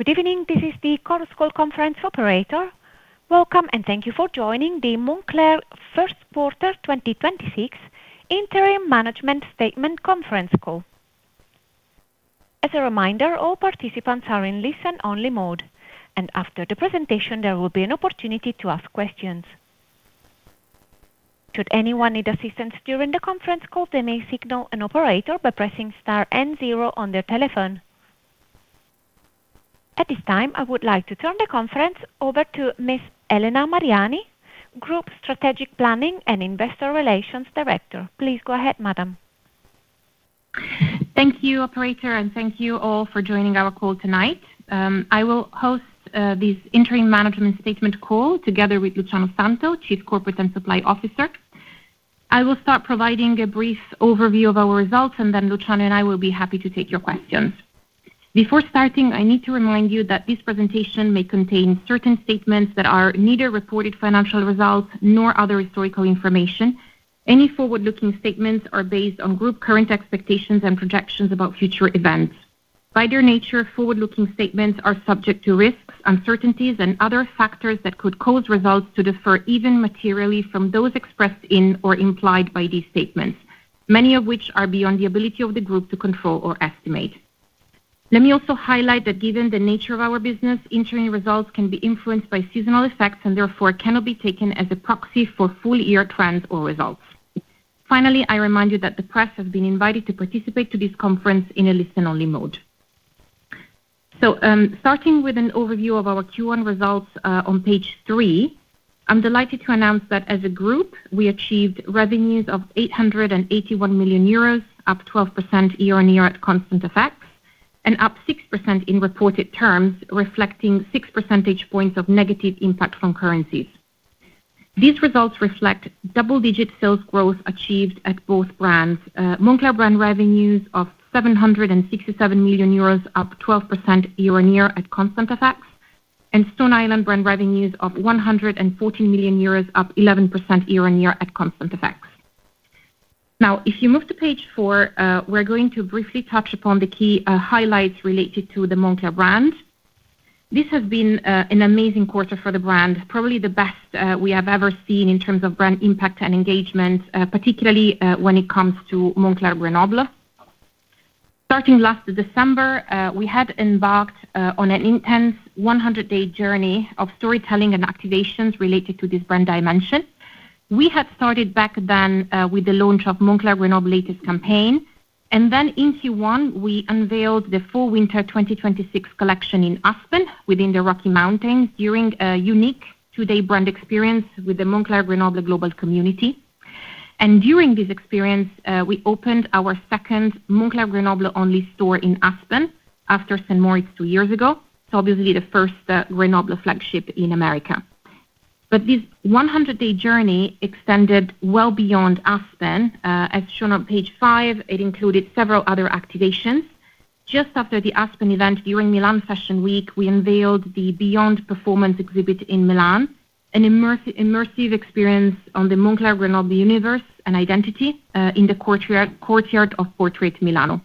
Good evening. This is the conference call operator. Welcome and thank you for joining the Moncler First Quarter 2026 Interim Management Statement Conference Call. As a reminder, all participants are in listen-only mode, and after the presentation, there will be an opportunity to ask questions. Should anyone need assistance during the conference call, they may signal an operator by pressing star and zero on their telephone. At this time, I would like to turn the conference over to Ms. Elena Mariani, Director of Strategic Planning and Investor Relations. Please go ahead, madam. Thank you, operator, and thank you all for joining our call tonight. I will host this interim management statement call together with Luciano Santel, Chief Corporate and Supply Officer. I will start providing a brief overview of our results, and then Luciano and I will be happy to take your questions. Before starting, I need to remind you that this presentation may contain certain statements that are neither reported financial results nor other historical information. Any forward-looking statements are based on Group's current expectations and projections about future events. By their nature, forward-looking statements are subject to risks, uncertainties, and other factors that could cause results to differ materially from those expressed in or implied by these statements, many of which are beyond the ability of the Group to control or estimate. Let me also highlight that given the nature of our business, interim results can be influenced by seasonal effects and therefore cannot be taken as a proxy for full-year trends or results. Finally, I remind you that the press has been invited to participate to this conference in a listen-only mode. Starting with an overview of our Q1 results on page three, I'm delighted to announce that as a group, we achieved revenues of 881 million euros, up 12% year-on-year at constant effects and up 6% in reported terms, reflecting six percentage points of negative impact from currencies. These results reflect double-digit sales growth achieved at both brands. Moncler brand revenues of 767 million euros, up 12% year-on-year at constant effects, and Stone Island brand revenues of 114 million euros, up 11% year-on-year at constant effects. Now, if you move to page four, we're going to briefly touch upon the key highlights related to the Moncler brand. This has been an amazing quarter for the brand, probably the best we have ever seen in terms of brand impact and engagement, particularly when it comes to Moncler Grenoble. Starting last December, we had embarked on an intense 100-day journey of storytelling and activations related to this brand dimension. We had started back then with the launch of Moncler Grenoble latest campaign, and then in Q1, we unveiled the fall/winter 2026 collection in Aspen within the Rocky Mountains during a unique two-day brand experience with the Moncler Grenoble global community. During this experience, we opened our second Moncler Grenoble-only store in Aspen after St. Moritz two years ago. Obviously the first Grenoble flagship in America. This 100-day journey extended well beyond Aspen. As shown on page five, it included several other activations. Just after the Aspen event, during Milan Fashion Week, we unveiled the Beyond Performance Exhibit in Milan, an immersive experience on the Moncler Grenoble universe and identity in the courtyard of Portrait Milano.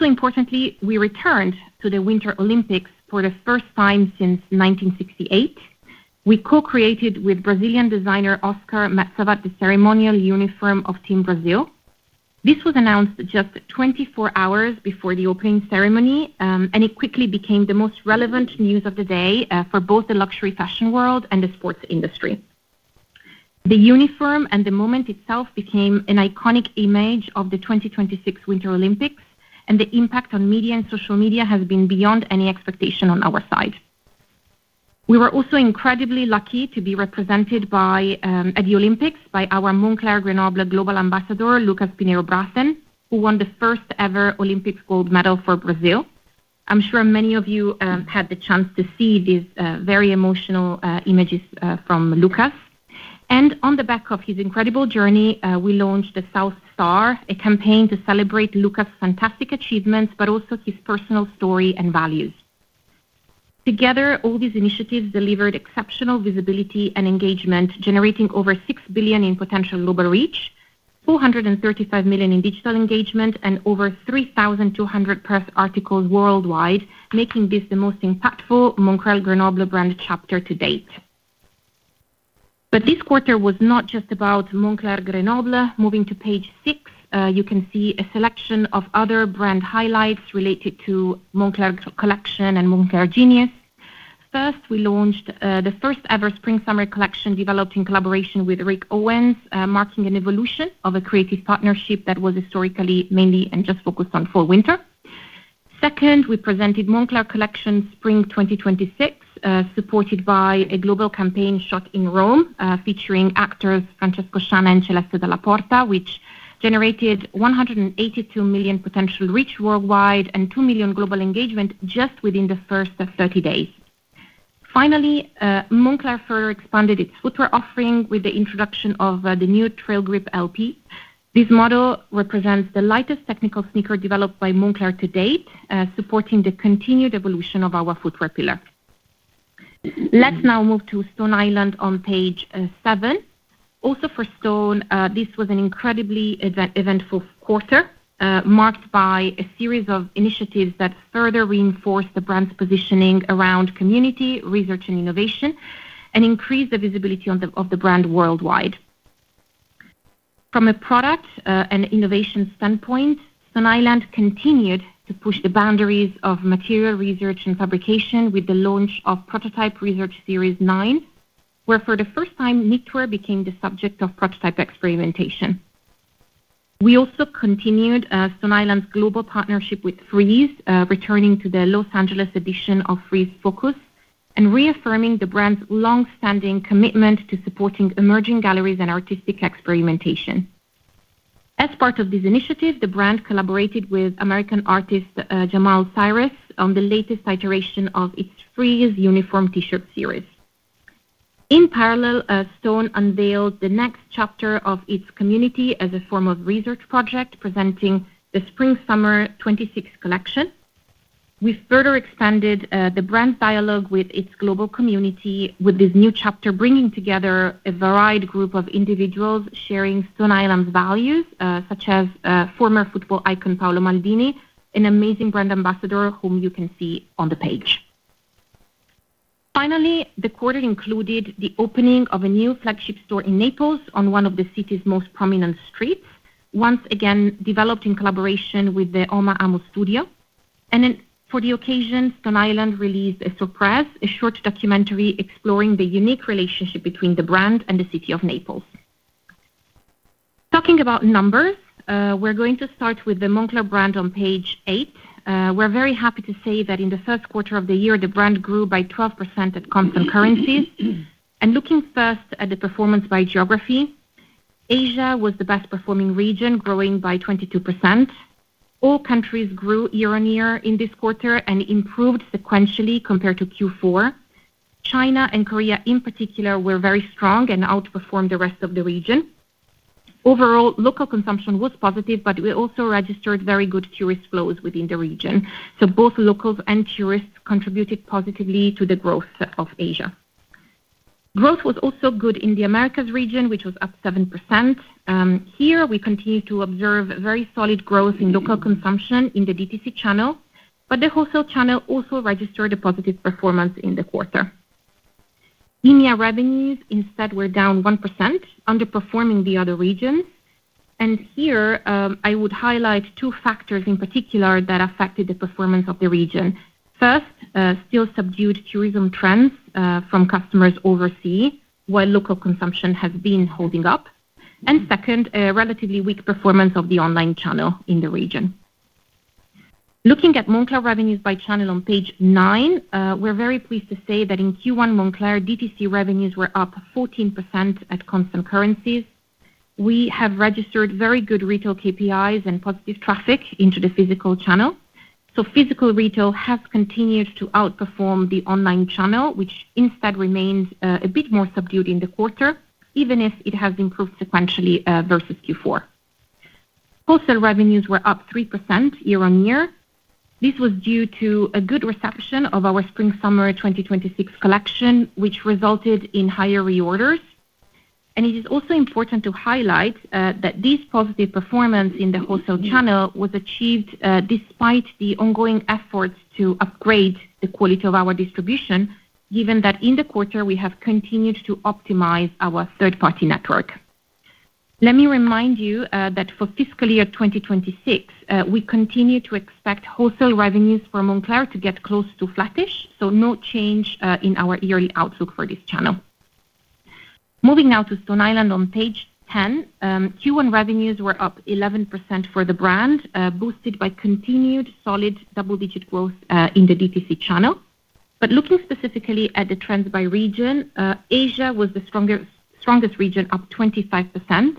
Importantly, we returned to the Winter Olympics for the first time since 1968. We co-created with Brazilian designer Oskar Metsavaht, the ceremonial uniform of Team Brazil. This was announced just 24 hours before the opening ceremony, and it quickly became the most relevant news of the day for both the luxury fashion world and the sports industry. The uniform and the moment itself became an iconic image of the 2026 Winter Olympics, and the impact on media and social media has been beyond any expectation on our side. We were also incredibly lucky to be represented at the Olympics by our Moncler Grenoble global ambassador, Lucas Pinheiro Braathen, who won the first ever Olympic gold medal for Brazil. I'm sure many of you had the chance to see these very emotional images from Lucas. On the back of his incredible journey, we launched the South Star, a campaign to celebrate Lucas' fantastic achievements, but also his personal story and values. Together, all these initiatives delivered exceptional visibility and engagement, generating over 6 billion in potential global reach, 435 million in digital engagement, and over 3,200 press articles worldwide, making this the most impactful Moncler Grenoble brand chapter to date. This quarter was not just about Moncler Grenoble. Moving to page six, you can see a selection of other brand highlights related to Moncler Collection and Moncler Genius. First, we launched the first ever spring/summer collection developed in collaboration with Rick Owens, marking an evolution of a creative partnership that was historically mainly and just focused on fall/winter. Second, we presented Moncler Collection spring 2026, supported by a global campaign shot in Rome, featuring actors Francesco Scianna and Celeste Dalla Porta, which generated 182 million potential reach worldwide and 2 million global engagement just within the first 30 days. Finally, Moncler further expanded its footwear offering with the introduction of the new Trailgrip LP. This model represents the lightest technical sneaker developed by Moncler to date, supporting the continued evolution of our footwear pillar. Let's now move to Stone Island on page seven. Also for Stone, this was an incredibly eventful quarter, marked by a series of initiatives that further reinforced the brand's positioning around community, research, and innovation, and increased the visibility of the brand worldwide. From a product and innovation standpoint, Stone Island continued to push the boundaries of material research and fabrication with the launch of Prototype Research Series 09, where for the first time, knitwear became the subject of prototype experimentation. We also continued Stone Island's global partnership with Frieze, returning to the Los Angeles edition of Frieze Focus and reaffirming the brand's long-standing commitment to supporting emerging galleries and artistic experimentation. As part of this initiative, the brand collaborated with American artist Jamal Cyrus on the latest iteration of its Frieze uniform T-shirt series. In parallel, Stone unveiled the next chapter of its community as a form of research project presenting the spring-summer 2026 collection. We further expanded the brand's dialogue with its global community, with this new chapter bringing together a varied group of individuals sharing Stone Island's values, such as former football icon Paolo Maldini, an amazing brand ambassador whom you can see on the page. Finally, the quarter included the opening of a new flagship store in Naples on one of the city's most prominent streets, once again, developed in collaboration with the OMA/AMO studio. For the occasion, Stone Island released a surprise, a short documentary exploring the unique relationship between the brand and the city of Naples. Talking about numbers, we're going to start with the Moncler brand on page eight. We're very happy to say that in the first quarter of the year, the brand grew by 12% at constant currencies. Looking first at the performance by geography, Asia was the best performing region, growing by 22%. All countries grew year-on-year in this quarter and improved sequentially compared to Q4. China and Korea in particular were very strong and outperformed the rest of the region. Overall, local consumption was positive, but we also registered very good tourist flows within the region. Both locals and tourists contributed positively to the growth of Asia. Growth was also good in the Americas region, which was up 7%. Here, we continue to observe very solid growth in local consumption in the DTC channel, but the wholesale channel also registered a positive performance in the quarter. EMEA revenues instead were down 1%, underperforming the other regions. Here, I would highlight two factors in particular that affected the performance of the region. First, still subdued tourism trends from customers overseas, while local consumption has been holding up. Second, a relatively weak performance of the online channel in the region. Looking at Moncler revenues by channel on page nine, we're very pleased to say that in Q1, Moncler DTC revenues were up 14% at constant currencies. We have registered very good retail KPIs and positive traffic into the physical channel. Physical retail has continued to outperform the online channel, which instead remains a bit more subdued in the quarter, even if it has improved sequentially versus Q4. Wholesale revenues were up 3% year-on-year. This was due to a good reception of our spring-summer 2026 collection, which resulted in higher reorders. It is also important to highlight that this positive performance in the wholesale channel was achieved despite the ongoing efforts to upgrade the quality of our distribution, given that in the quarter, we have continued to optimize our third-party network. Let me remind you that for fiscal year 2026, we continue to expect wholesale revenues for Moncler to get close to flattish, so no change in our yearly outlook for this channel. Moving now to Stone Island on page 10. Q1 revenues were up 11% for the brand, boosted by continued solid double-digit growth in the DTC channel. Looking specifically at the trends by region, Asia was the strongest region, up 25%.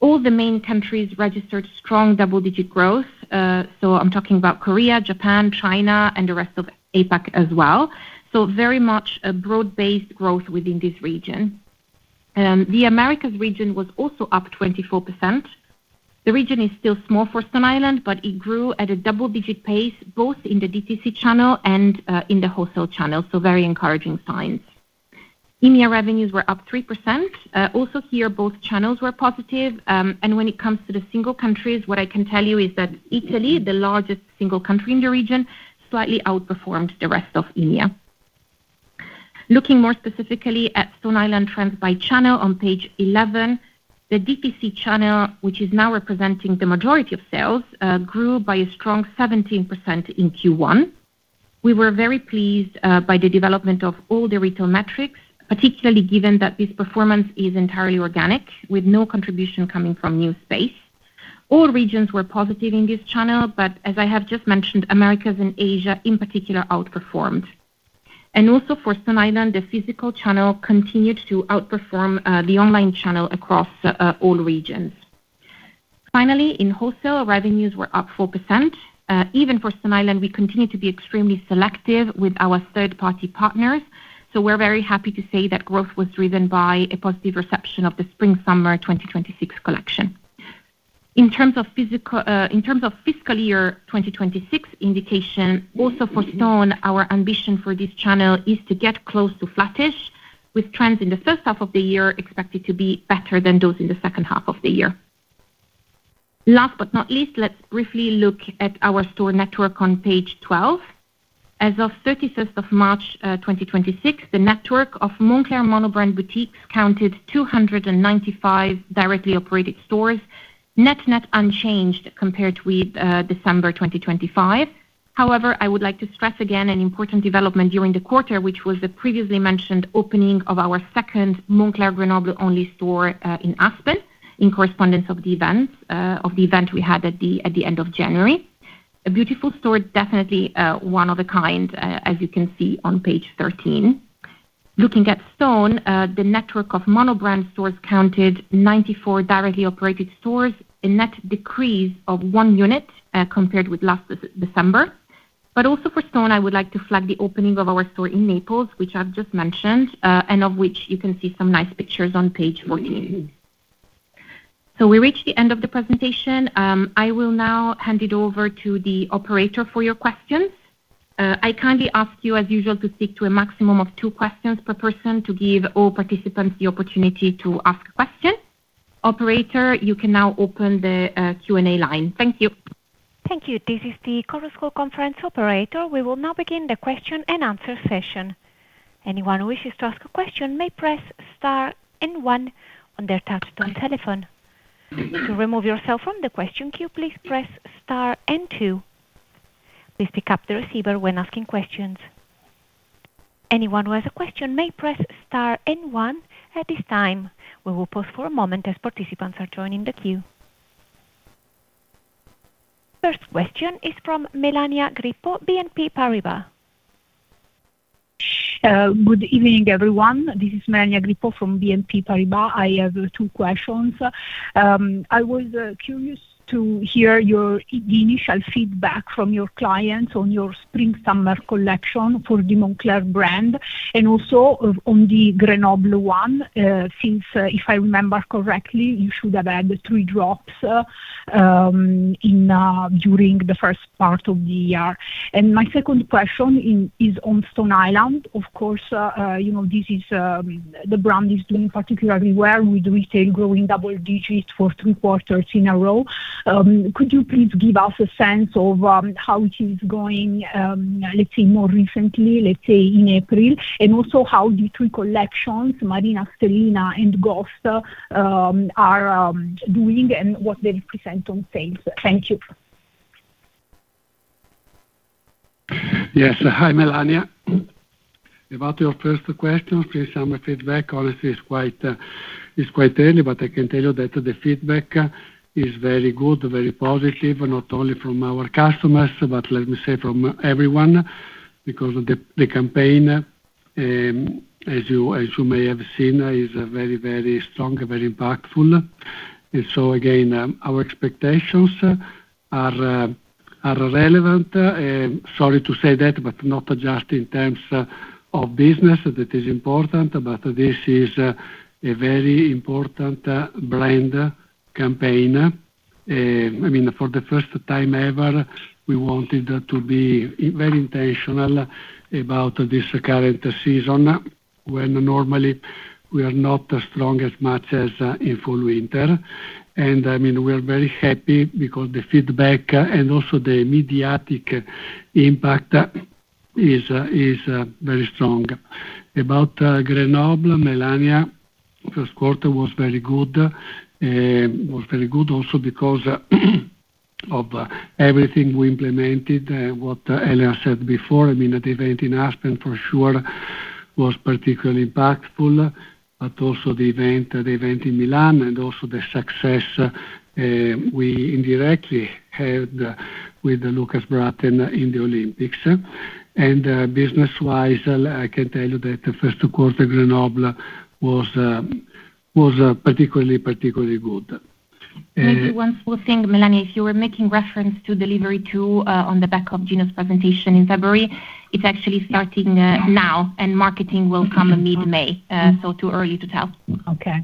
All the main countries registered strong double-digit growth. I'm talking about Korea, Japan, China, and the rest of APAC as well. Very much a broad-based growth within this region. The Americas region was also up 24%. The region is still small for Stone Island, but it grew at a double-digit pace, both in the DTC channel and in the wholesale channel, so very encouraging signs. EMEA revenues were up 3%. Also here, both channels were positive. When it comes to the single countries, what I can tell you is that Italy, the largest single country in the region, slightly outperformed the rest of EMEA. Looking more specifically at Stone Island trends by channel on page 11, the DTC channel, which is now representing the majority of sales, grew by a strong 17% in Q1. We were very pleased by the development of all the retail metrics, particularly given that this performance is entirely organic, with no contribution coming from new space. All regions were positive in this channel, but as I have just mentioned, Americas and Asia in particular outperformed. For Stone Island, the physical channel continued to outperform the online channel across all regions. Finally, in wholesale, revenues were up 4%. Even for Stone Island, we continue to be extremely selective with our third-party partners. We're very happy to say that growth was driven by a positive reception of the spring-summer 2026 collection. In terms of fiscal year 2026 indication, also for Stone, our ambition for this channel is to get close to flattish, with trends in the first half of the year expected to be better than those in the second half of the year. Last but not least, let's briefly look at our store network on page 12. As of 31st of March 2026, the network of Moncler monobrand boutiques counted 295 directly operated stores, net-net unchanged compared with December 2025. However, I would like to stress again an important development during the quarter, which was the previously mentioned opening of our second Moncler Grenoble only store in Aspen in correspondence of the event we had at the end of January. A beautiful store, definitely one of a kind, as you can see on page 13. Looking at Stone, the network of monobrand stores counted 94 directly operated stores, a net decrease of one unit compared with last December. Also for Stone, I would like to flag the opening of our store in Naples, which I've just mentioned, and of which you can see some nice pictures on page 14. We reached the end of the presentation. I will now hand it over to the operator for your questions. I kindly ask you, as usual, to stick to a maximum of two questions per person to give all participants the opportunity to ask questions. Operator, you can now open the Q&A line. Thank you. Thank you. This is the Chorus Call conference operator. We will now begin the question and answer session. Anyone who wishes to ask a question may press star and one on their touchtone telephone. To remove yourself from the question queue, please press star and two. Please pick up the receiver when asking questions. Anyone who has a question may press star and one at this time. We will pause for a moment as participants are joining the queue. First question is from Melania Grippo, BNP Paribas. Good evening, everyone. This is Melania Grippo from BNP Paribas. I have two questions. I was curious to hear the initial feedback from your clients on your spring summer collection for the Moncler brand, and also on the Grenoble one, since, if I remember correctly, you should have had three drops during the first part of the year. My second question is on Stone Island. Of course, the brand is doing particularly well with retail growing double digits for three quarters in a row. Could you please give us a sense of how it is going, let's say more recently, let's say in April? Also how the three collections, Marina, Stellina, and Ghost, are doing and what they represent on sales? Thank you. Yes. Hi, Melania. About your first question, pre-summer feedback, honestly, it's quite early, but I can tell you that the feedback is very good, very positive, not only from our customers, but let me say from everyone, because of the campaign, as you may have seen, is very, very strong, very impactful. Again, our expectations are elevated. Sorry to say that, but not just in terms of business. That is important, but this is a very important brand campaign. For the first time ever, we wanted to be very intentional about this current season, when normally we are not as strong as much as in full winter. We are very happy because the feedback, and also the media impact is very strong. About Grenoble, Melania, first quarter was very good. was very good also because of everything we implemented, what Elena said before, the event in Aspen for sure was particularly impactful. Also the event in Milan and also the success we indirectly had with Lucas Braathen in the Olympics. Business-wise, I can tell you that the first quarter Grenoble was particularly good. Maybe one small thing, Melania. If you were making reference to delivery two, on the back of Gino's presentation in February, it's actually starting now and marketing will come mid-May, so too early to tell. Okay.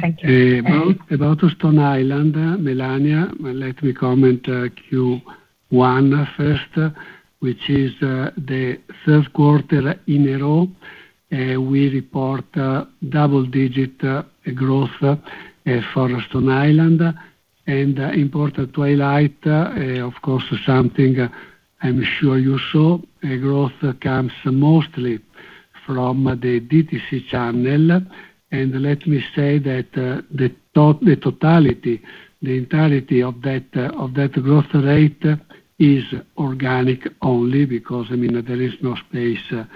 Thank you. About Stone Island, Melania, let me comment on Q1 first, which is the first quarter in a row we report double-digit growth for Stone Island. Important to highlight, of course, something I'm sure you saw, growth comes mostly from the DTC channel. Let me say that the entirety of that growth rate is organic only because there is no FX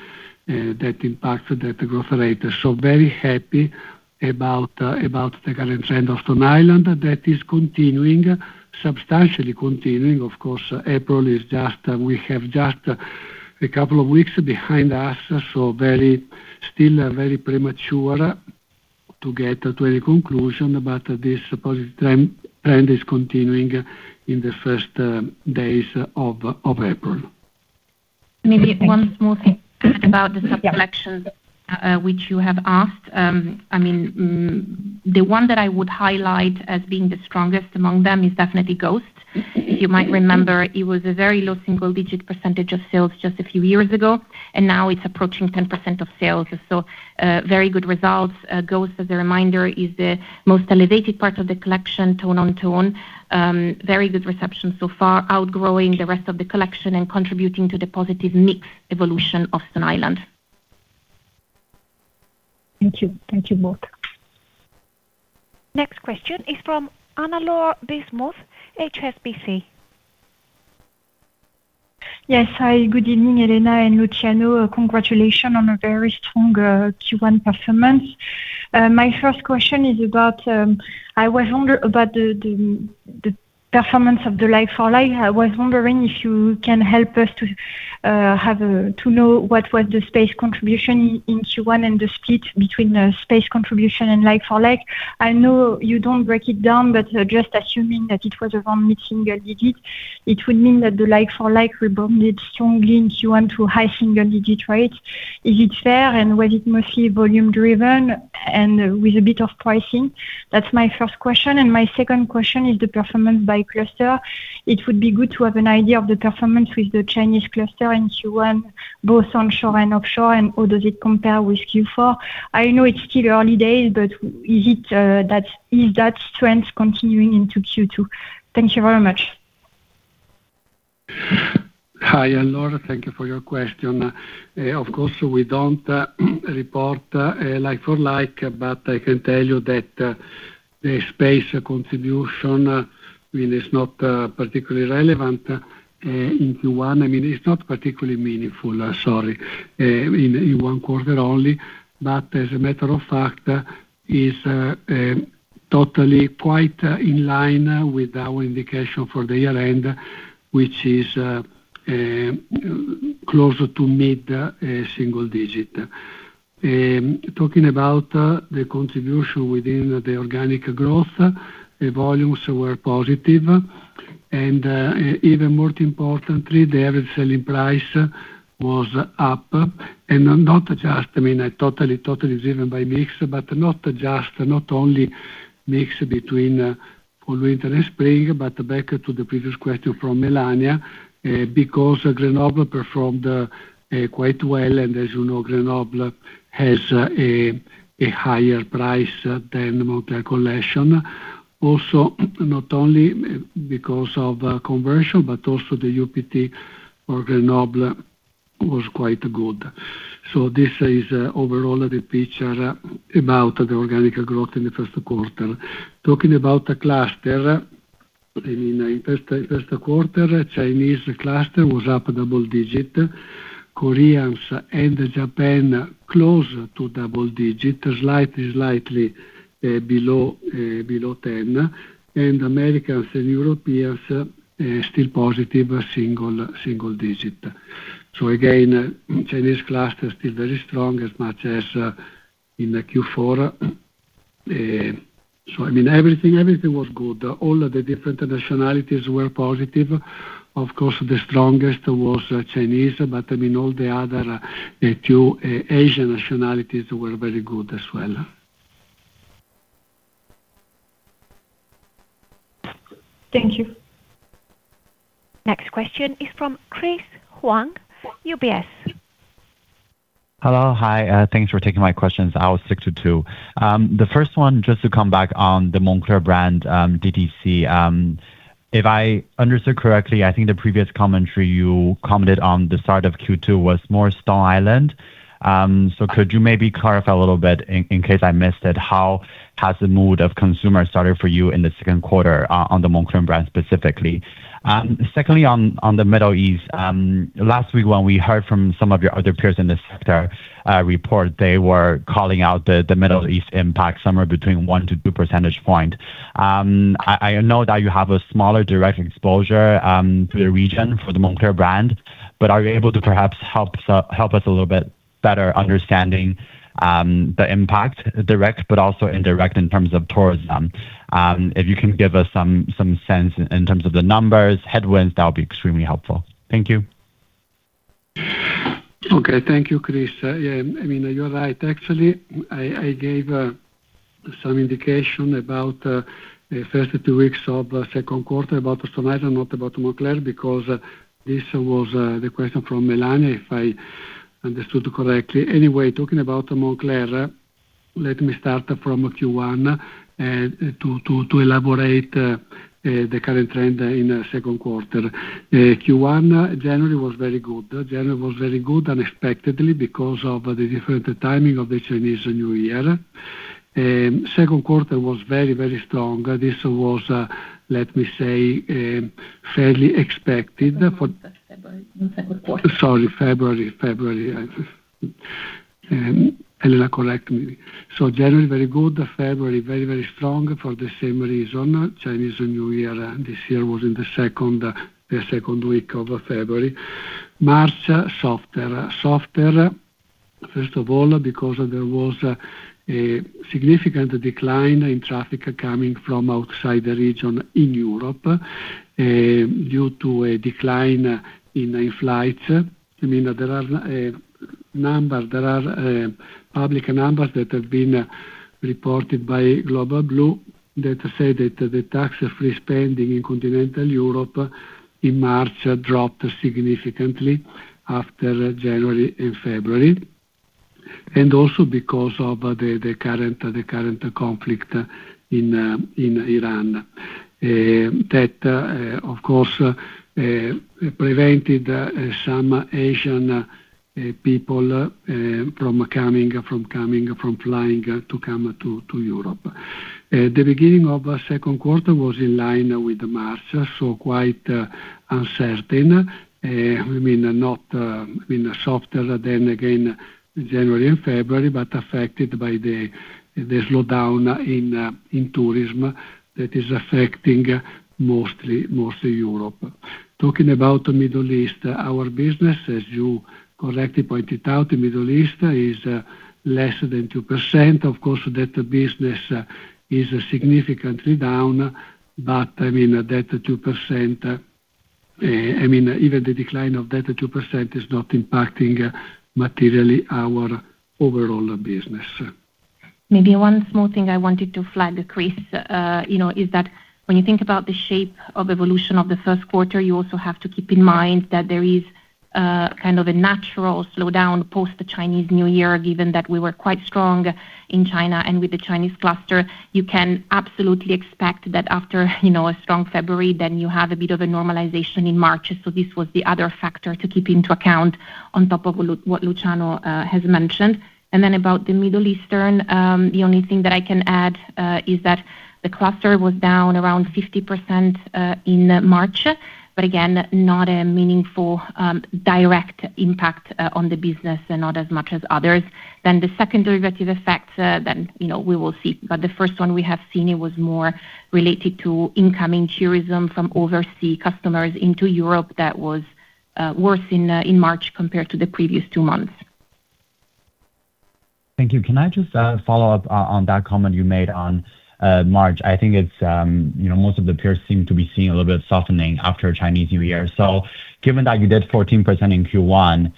that impacts that growth rate. Very happy about the current trend of Stone Island. That is substantially continuing. Of course, in April, we have just a couple of weeks behind us, so still very premature to get to any conclusion, but this positive trend is continuing in the first days of April. Maybe one small thing about the sub-collections which you have asked. The one that I would highlight as being the strongest among them is definitely Ghost. If you might remember, it was a very low single-digit percentage of sales just a few years ago, and now it's approaching 10% of sales. Very good results. Ghost, as a reminder, is the most elevated part of the collection, tone on tone. Very good reception so far, outgrowing the rest of the collection and contributing to the positive mix evolution of Stone Island. Thank you both. Next question is from Anne-Laure Bismuth, HSBC. Yes. Hi, good evening, Elena and Luciano. Congratulations on a very strong Q1 performance. My first question is about the performance of the like-for-like. I was wondering if you can help us to know what was the space contribution in Q1 and the split between the space contribution and like-for-like. I know you don't break it down, but just assuming that it was around mid-single-digit, it would mean that the like-for-like rebounded strongly in Q1 to high single-digit rate. Is it fair and was it mostly volume-driven and with a bit of pricing? That's my first question, and my second question is the performance by cluster. It would be good to have an idea of the performance with the Chinese cluster in Q1, both onshore and offshore, and how does it compare with Q4. I know it's still early days, but is that trend continuing into Q2? Thank you very much. Hi, Anne-Laure, thank you for your question. Of course, we don't report like-for-like, but I can tell you that the space contribution is not particularly relevant in Q1. It's not particularly meaningful, sorry, in one quarter only. But as a matter of fact, it is totally quite in line with our indication for the year end, which is close to mid-single digit. Talking about the contribution within the organic growth, the volumes were positive and, even more importantly, the average selling price was up and not just totally driven by mix, but not only mix between fall, winter and spring, but back to the previous question from Melania Grippo, because Moncler Grenoble performed quite well. As you know, Moncler Grenoble has a higher price than Moncler Collection. Also, not only because of conversion, but also the UPT for Moncler Grenoble was quite good. This is overall the picture about the organic growth in the first quarter. Talking about the cluster in first quarter, Chinese cluster was up double-digit. Koreans and Japanese close to double-digit, slightly below 10%. Americans and Europeans still positive single-digit. Chinese cluster is still very strong as much as in the Q4. Everything was good. All of the different nationalities were positive. Of course, the strongest was Chinese, but all the other two Asian nationalities were very good as well. Thank you. Next question is from Chris Huang, UBS. Hello. Hi. Thanks for taking my questions. I will stick to two. The first one just to come back on the Moncler brand DTC. If I understood correctly, I think the previous commentary you commented on the start of Q2 was more Stone Island. Could you maybe clarify a little bit in case I missed it, how has the mood of consumers started for you in the second quarter on the Moncler brand specifically? Secondly, on the Middle East, last week when we heard from some of your other peers in the sector report, they were calling out the Middle East impact somewhere between one to two percentage points. I know that you have a smaller direct exposure to the region for the Moncler brand, but are you able to perhaps help us a little bit better understanding the impact, direct but also indirect in terms of tourism? If you can give us some sense in terms of the numbers, headwinds, that would be extremely helpful. Thank you. Okay. Thank you, Chris. You're right, actually. I gave some indication about the first two weeks of second quarter about Stone Island, not about Moncler, because this was the question from Melania, if I understood correctly. Anyway, talking about Moncler, let me start from Q1 to elaborate the current trend in second quarter. Q1, January was very good. January was very good unexpectedly because of the different timing of the Chinese New Year. Second quarter was very strong. This was, let me say, fairly expected for- February, in second quarter. Sorry, February. Elena, correct me. January, very good. February, very strong for the same reason. Chinese New Year this year was in the second week of February. March, softer. First of all, because there was a significant decline in traffic coming from outside the region in Europe, due to a decline in flights. There are public numbers that have been reported by Global Blue that say that the tax-free spending in continental Europe in March dropped significantly after January and February. Also because of the current conflict in Iran, that of course prevented some Asian people from flying to come to Europe. The beginning of the second quarter was in line with March, so quite uncertain. Softer then again in January and February, but affected by the slowdown in tourism that is affecting mostly Europe. Talking about the Middle East, our business, as you correctly pointed out, the Middle East is less than 2%. Of course, that business is significantly down. Even the decline of that 2% is not impacting materially our overall business. Maybe one small thing I wanted to flag, Chris, is that when you think about the shape of evolution of the first quarter, you also have to keep in mind that there is a natural slowdown post the Chinese New Year, given that we were quite strong in China and with the Chinese cluster, you can absolutely expect that after a strong February, then you have a bit of a normalization in March. This was the other factor to keep into account on top of what Luciano has mentioned. About the Middle Eastern, the only thing that I can add is that the cluster was down around 50% in March, but again, not a meaningful direct impact on the business and not as much as others. The second derivative effect, then we will see. The first one we have seen, it was more related to incoming tourism from overseas customers into Europe that was worse in March compared to the previous two months. Thank you. Can I just follow up on that comment you made on March? I think most of the peers seem to be seeing a little bit of softening after Chinese New Year. Given that you did 14% in Q1,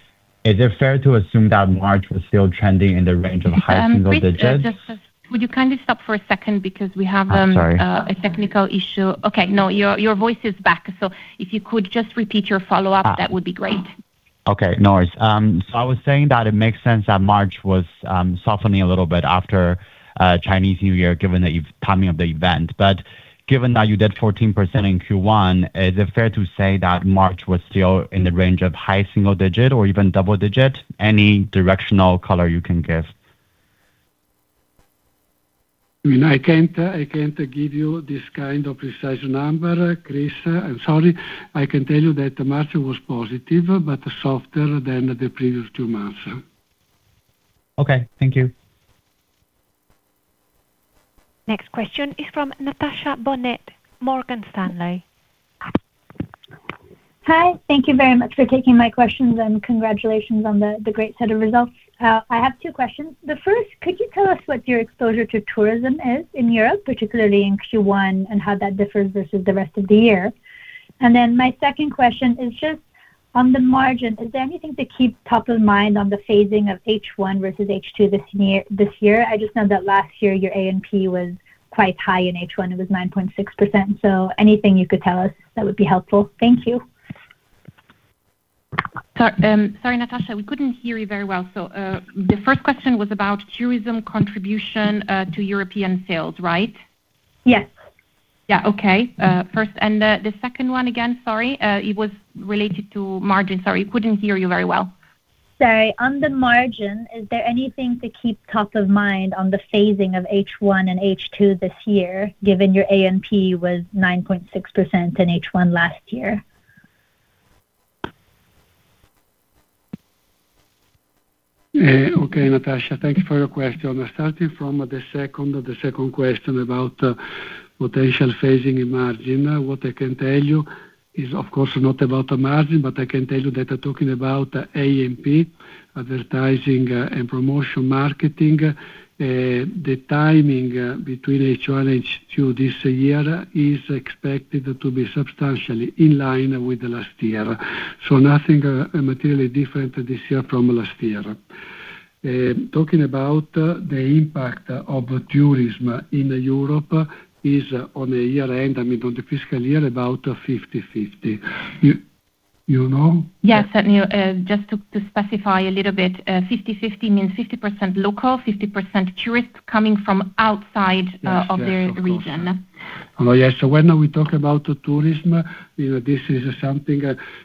is it fair to assume that March was still trending in the range of high single digits? Chris, would you kindly stop for a second because we have- I'm sorry.... a technical issue. Okay, no, your voice is back. If you could just repeat your follow-up, that would be great. Okay, no worries. I was saying that it makes sense that March was softening a little bit after Chinese New Year, given the timing of the event. Given that you did 14% in Q1, is it fair to say that March was still in the range of high single digit or even double digit? Any directional color you can give? I can't give you this kind of precise number, Chris. I'm sorry. I can tell you that March was positive, but softer than the previous two months. Okay. Thank you. Next question is from Natasha Bonnet, Morgan Stanley. Hi. Thank you very much for taking my questions, and congratulations on the great set of results. I have two questions. The first, could you tell us what your exposure to tourism is in Europe, particularly in Q1, and how that differs versus the rest of the year? My second question is just on the margin, is there anything to keep top of mind on the phasing of H1 versus H2 this year? I just know that last year your ANP was quite high in H1. It was 9.6%. Anything you could tell us, that would be helpful. Thank you. Sorry, Natasha, we couldn't hear you very well. The first question was about tourism contribution, to European sales, right? Yes. Yeah. Okay. First, the second one again, sorry, it was related to margin. Sorry, couldn't hear you very well. Sorry. On the margin, is there anything to keep top of mind on the phasing of H1 and H2 this year, given your ANP was 9.6% in H1 last year? Okay, Natasha. Thank you for your question. Starting from the second question about potential phasing in margin. What I can tell you is, of course, not about the margin, but I can tell you that talking about ANP, advertising and promotion marketing, the timing between H1 and H2 this year is expected to be substantially in line with the last year. Nothing materially different this year from last year. Talking about the impact of tourism in Europe is on a year-end, I mean on the fiscal year, about 50/50. You know? Yes, certainly. Just to specify a little bit, 50/50 means 50% local, 50% tourists coming from outside of the region. Yes. When we talk about tourism, this is something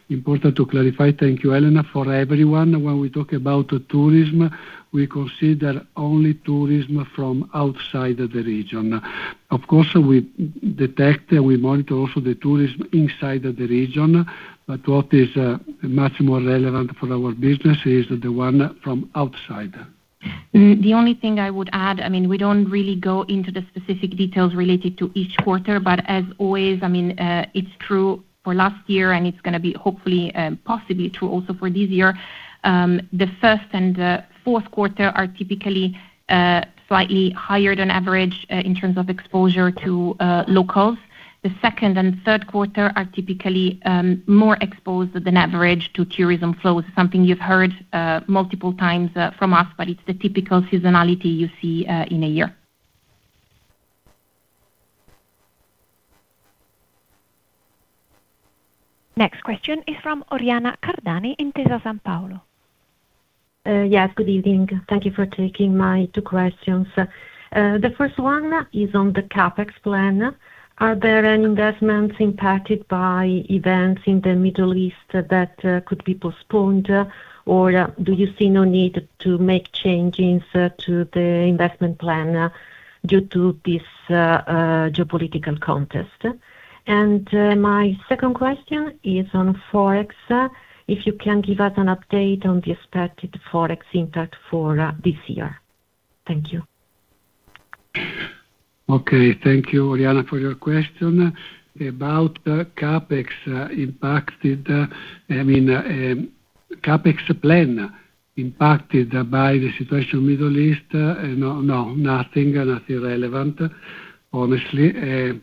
important to clarify. Thank you, Elena. For everyone, when we talk about tourism, we consider only tourism from outside of the region. Of course, we detect, we monitor also the tourism inside of the region, but what is much more relevant for our business is the one from outside. The only thing I would add, we don't really go into the specific details related to each quarter, but as always, it's true for last year, and it's going to be hopefully, possibly true also for this year. The first and fourth quarter are typically slightly higher than average in terms of exposure to locals. The second and third quarter are typically more exposed than average to tourism flow. Something you've heard multiple times from us, but it's the typical seasonality you see in a year. Next question is from Oriana Cardani, Intesa Sanpaolo. Yes, good evening. Thank you for taking my two questions. The first one is on the CapEx plan. Are there any investments impacted by events in the Middle East that could be postponed? Or do you see no need to make changes to the investment plan due to this geopolitical context? My second question is on Forex. If you can give us an update on the expected FOREX impact for this year? Thank you. Okay. Thank you, Oriana, for your question. About CapEx plan impacted by the situation in Middle East, no, nothing relevant, honestly.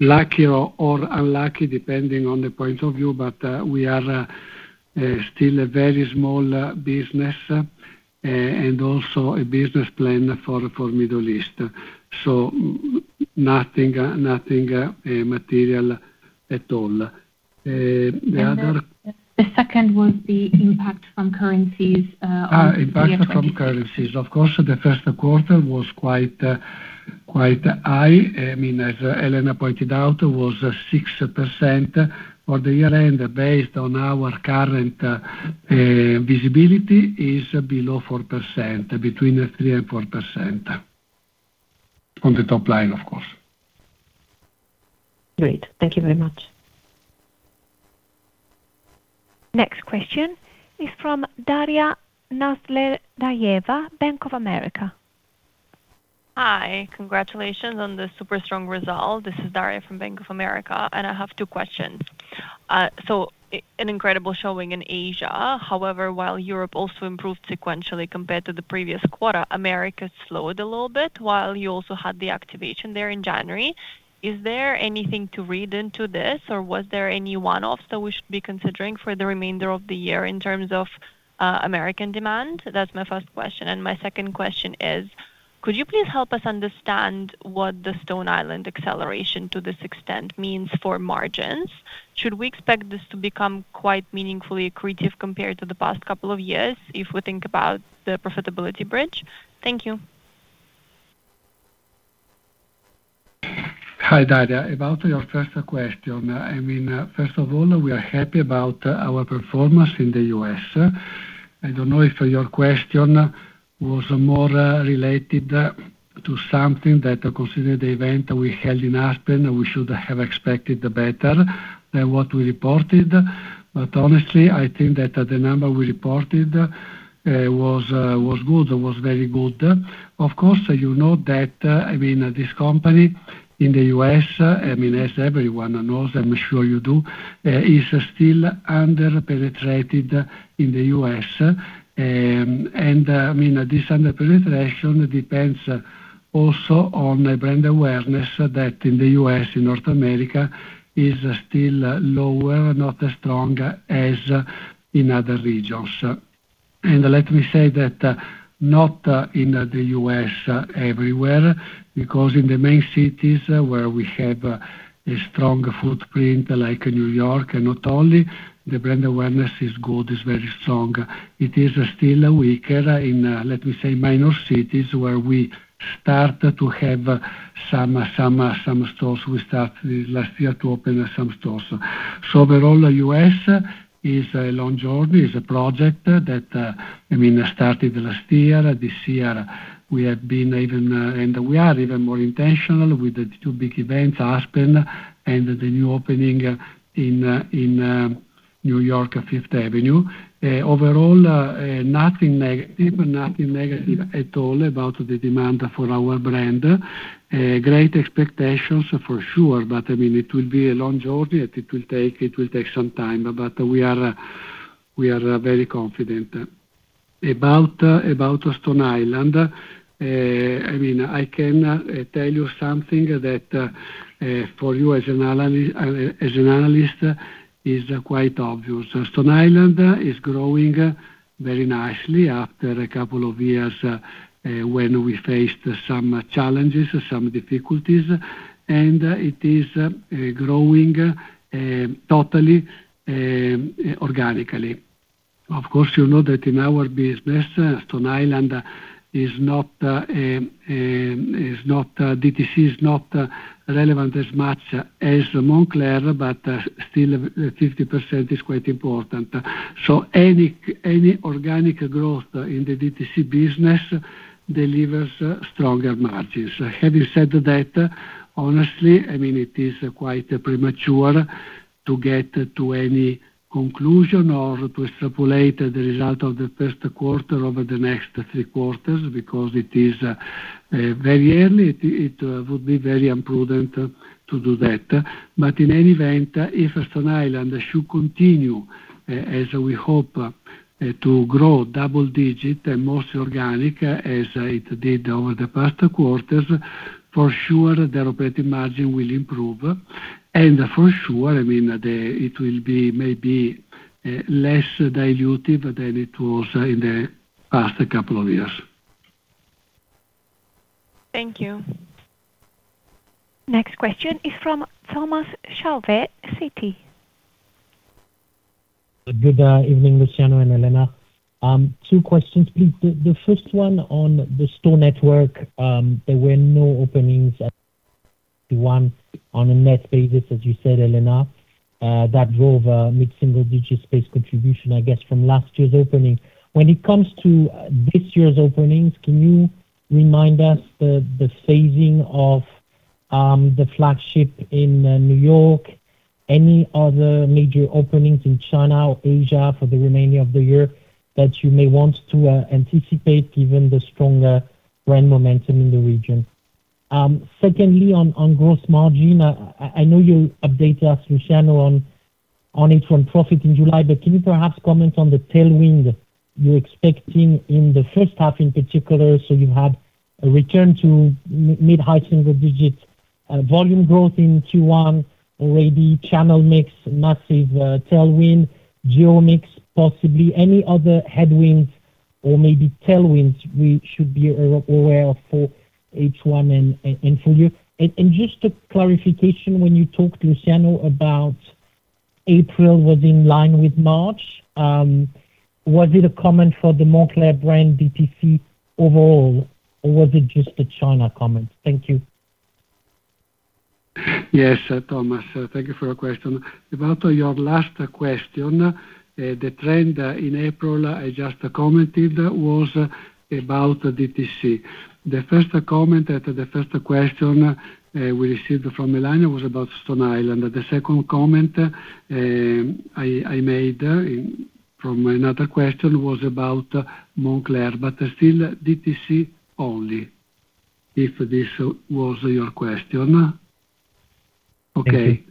Lucky or unlucky, depending on the point of view, but we are still a very small business, and also a business plan for Middle East. Nothing material at all. The other- The second was the impact from currencies on the year 2023. Impact from currencies. Of course, the first quarter was quite high. As Elena pointed out, it was 6%. For the year-end, based on our current visibility, it is below 4%, between 3% and 4%. On the top line, of course. Great. Thank you very much. Next question is from Daria Nasledysheva, Bank of America. Hi. Congratulations on the super strong result. This is Daria from Bank of America, and I have two questions. An incredible showing in Asia. However, while Europe also improved sequentially compared to the previous quarter, America slowed a little bit while you also had the activation there in January. Is there anything to read into this or was there any one-off that we should be considering for the remainder of the year in terms of American demand? That's my first question. My second question is, could you please help us understand what the Stone Island acceleration to this extent means for margins? Should we expect this to become quite meaningfully accretive compared to the past couple of years if we think about the profitability bridge? Thank you. Hi, Daria. About your first question. First of all, we are happy about our performance in the U.S. I don't know if your question was more related to something that considered the event we held in Aspen. We should have expected better than what we reported. Honestly, I think that the number we reported was good. It was very good. Of course, you know that this company in the U.S., as everyone knows, I'm sure you do, is still under-penetrated in the U.S. This under-penetration depends also on the brand awareness that in the U.S., in North America, is still lower, not as strong as in other regions. Let me say that not in the U.S. everywhere, because in the main cities where we have a strong footprint, like New York and not only, the brand awareness is good, is very strong. It is still weaker in, let me say, minor cities where we start to have some stores. We start last year to open some stores. Overall, U.S. is a long journey, is a project that started last year. This year, we are even more intentional with the two big events, Aspen and the new opening in New York, Fifth Avenue. Overall, nothing negative at all about the demand for our brand. Great expectations, for sure, but it will be a long journey, and it will take some time. We are very confident. About Stone Island. I can tell you something that, for you as an analyst, is quite obvious. Stone Island is growing very nicely after a couple of years when we faced some challenges, some difficulties, and it is growing totally organically. Of course, you know that in our business, Stone Island, DTC is not relevant as much as Moncler, but still 50% is quite important. Any organic growth in the DTC business delivers stronger margins. Having said that, honestly, it is quite premature to get to any conclusion or to extrapolate the result of the first quarter over the next three quarters because it is very early, it would be very imprudent to do that. In any event, if Stone Island should continue, as we hope, to grow double-digit and mostly organic as it did over the past quarters, for sure the operating margin will improve. For sure, it will be maybe less dilutive than it was in the past couple of years. Thank you. Next question is from Thomas Chauvet, Citi. Good evening, Luciano and Elena. Two questions, please. The first one on the store network. There were no openings on a net basis, as you said, Elena, that drove a mid-single-digit space contribution, I guess, from last year's opening. When it comes to this year's openings, can you remind us the phasing of the flagship in New York, any other major openings in China or Asia for the remaining of the year that you may want to anticipate given the stronger brand momentum in the region? Secondly, on gross margin, I know you updated us, Luciano, on it from profit in July, but can you perhaps comment on the tailwind you're expecting in the first half in particular? You had a return to mid-high single-digit volume growth in Q1, already channel mix, massive tailwind, geo mix, possibly. Any other headwinds or maybe tailwinds we should be aware of for H1 and full-year? Just a clarification when you talked, Luciano, about April was in line with March, was it a comment for the Moncler brand DTC overall, or was it just a China comment? Thank you. Yes, Thomas. Thank you for your question. About your last question, the trend in April, I just commented, was about DTC. The first comment at the first question we received from Elena was about Stone Island. The second comment I made from another question was about Moncler, but still DTC only, if this was your question? Yes. Okay.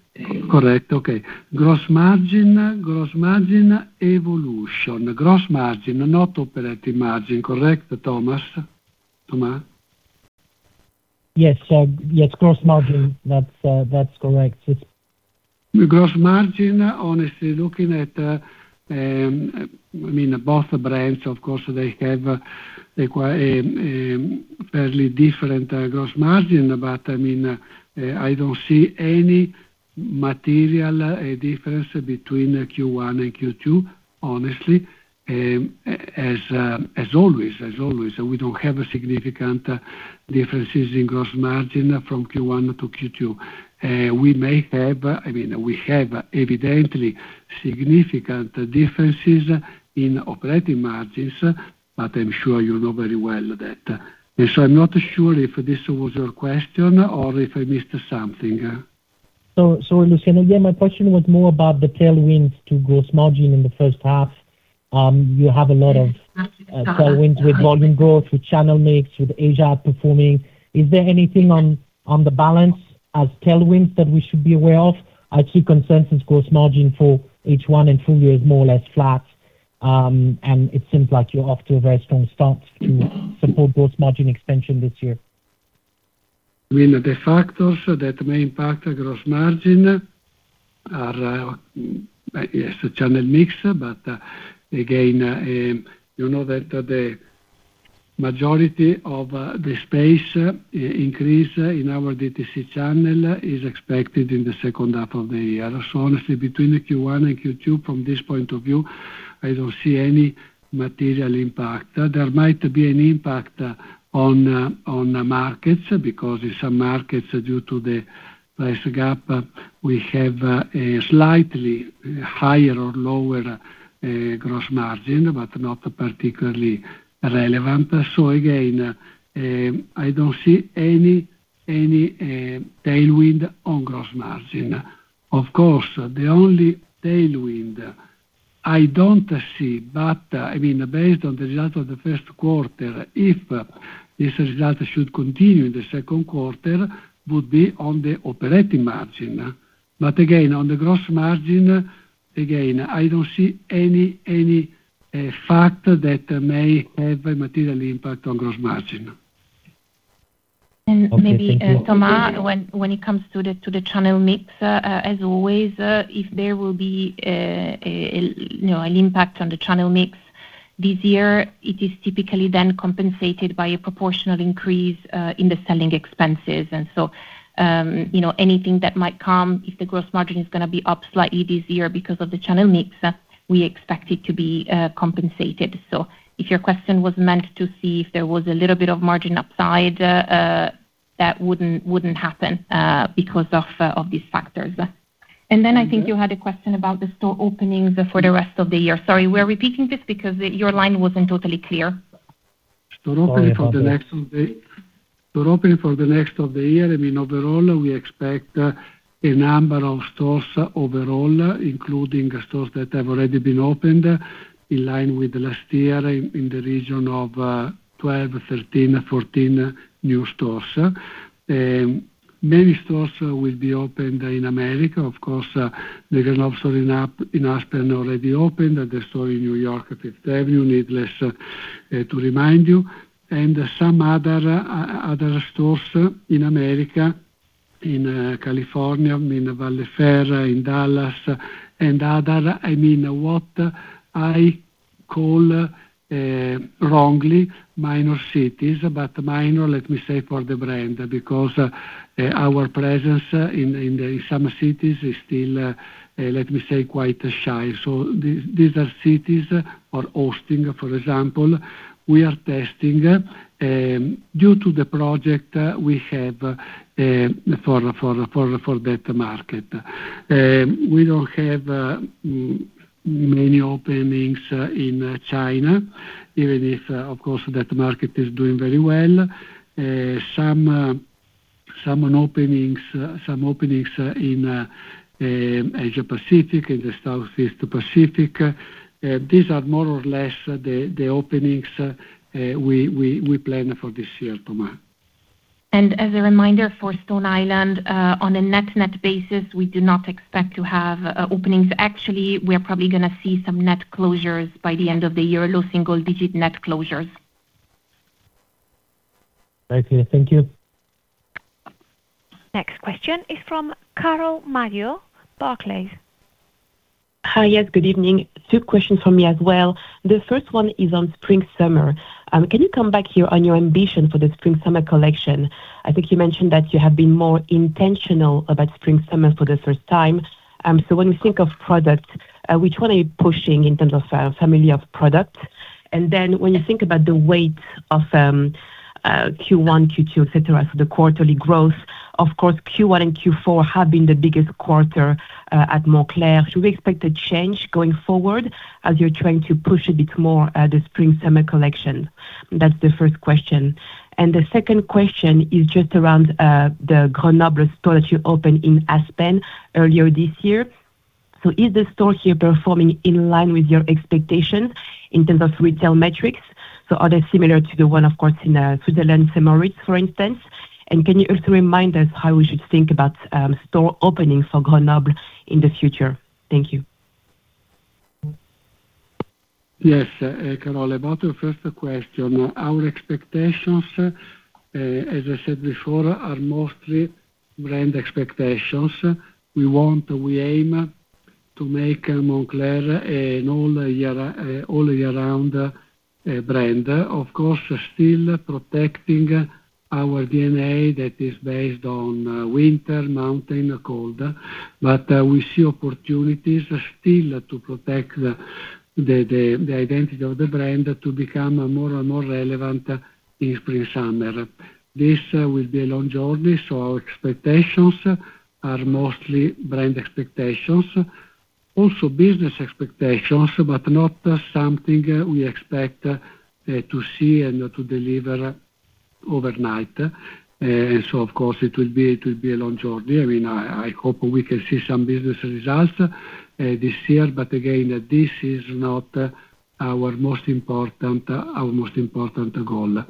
Correct. Okay. Gross margin evolution. Gross margin, not operating margin, correct, Thomas? Yes, gross margin. That's correct, yes. Gross margin, honestly, looking at both brands, of course, they have fairly different gross margin. I don't see any material difference between Q1 and Q2, honestly. As always, we don't have significant differences in gross margin from Q1 to Q2. We have evidently significant differences in operating margins, but I'm sure you know very well that. I'm not sure if this was your question or if I missed something. Luciano, yeah, my question was more about the tailwinds to gross margin in the first half. You have a lot of tailwinds with volume growth, with channel mix, with Asia outperforming. Is there anything on the balance as tailwinds that we should be aware of? I'm concerned since gross margin for H1 and full-year is more or less flat, and it seems like you're off to a very strong start to support gross margin expansion this year. The factors that may impact gross margin are, yes, channel mix, but again, you know that the majority of the space increase in our DTC channel is expected in the second half of the year. Honestly, between the Q1 and Q2 from this point of view, I don't see any material impact. There might be an impact on markets because in some markets, due to the price gap, we have a slightly higher or lower gross margin, but not particularly relevant. Again, I don't see any tailwind on gross margin. Of course, the only tailwind I don't see, but based on the result of the first quarter, if this result should continue in the second quarter, would be on the operating margin. Again, on the gross margin, again, I don't see any factor that may have a material impact on gross margin. Okay. Thank you. Maybe, Thomas, when it comes to the channel mix, as always, if there will be an impact on the channel mix this year, it is typically then compensated by a proportional increase in the selling expenses. Anything that might come if the gross margin is going to be up slightly this year because of the channel mix, we expect it to be compensated. If your question was meant to see if there was a little bit of margin upside, that wouldn't happen because of these factors. I think you had a question about the store openings for the rest of the year. Sorry, we're repeating this because your line wasn't totally clear. Store openings for the next year, overall, we expect a number of stores overall, including stores that have already been opened, in line with last year in the region of 12, 13, 14 new stores. Many stores will be opened in America. Of course, the Moncler Grenoble in Aspen already opened, the store in New York, at Fifth Avenue, needless to remind you. Some other stores in America, in California, in Valley Fair, in Dallas, and other what I call, wrongly, minor cities, but minor, let me say, for the brand, because our presence in some cities is still, let me say, quite shy. These are cities like Austin, for example, we are testing due to the project we have for that market. We don't have many openings in China, even if, of course, that market is doing very well. Some openings in Asia-Pacific, in the Southeast Asia-Pacific. These are more or less the openings we plan for this year, Thomas. As a reminder for Stone Island, on a next net-basis, we do not expect to have openings. Actually, we are probably going to see some net closures by the end of the year. Low single-digit net closures. Thank you. Next question is from Carole Madjo, Barclays. Hi. Yes, good evening. Two questions from me as well. The first one is on spring/summer. Can you come back here on your ambition for the spring/summer collection? I think you mentioned that you have been more intentional about spring/summer for the first time. When we think of product, which one are you pushing in terms of family of product? And then when you think about the weight of Q1, Q2, et cetera, so the quarterly growth, of course, Q1 and Q4 have been the biggest quarter at Moncler. Should we expect a change going forward as you're trying to push a bit more the spring/summer collection? That's the first question. The second question is just around the Grenoble store that you opened in Aspen earlier this year. Is the store here performing in line with your expectation in terms of retail metrics? Are they similar to the one, of course, in Switzerland, St. Moritz, for instance? Can you also remind us how we should think about store openings for Grenoble in the future? Thank you. Yes, Carole. About your first question, our expectations, as I said before, are mostly brand expectations. We want, we aim to make Moncler an all year-round brand. Of course, still protecting our DNA that is based on winter, mountain, cold. But we see opportunities still to protect the identity of the brand to become more and more relevant in spring/summer. This will be a long journey, so our expectations are mostly brand expectations. Also business expectations, but not something we expect to see and to deliver overnight. Of course it will be a long journey. I hope we can see some business results this year, but again, this is not our most important goal.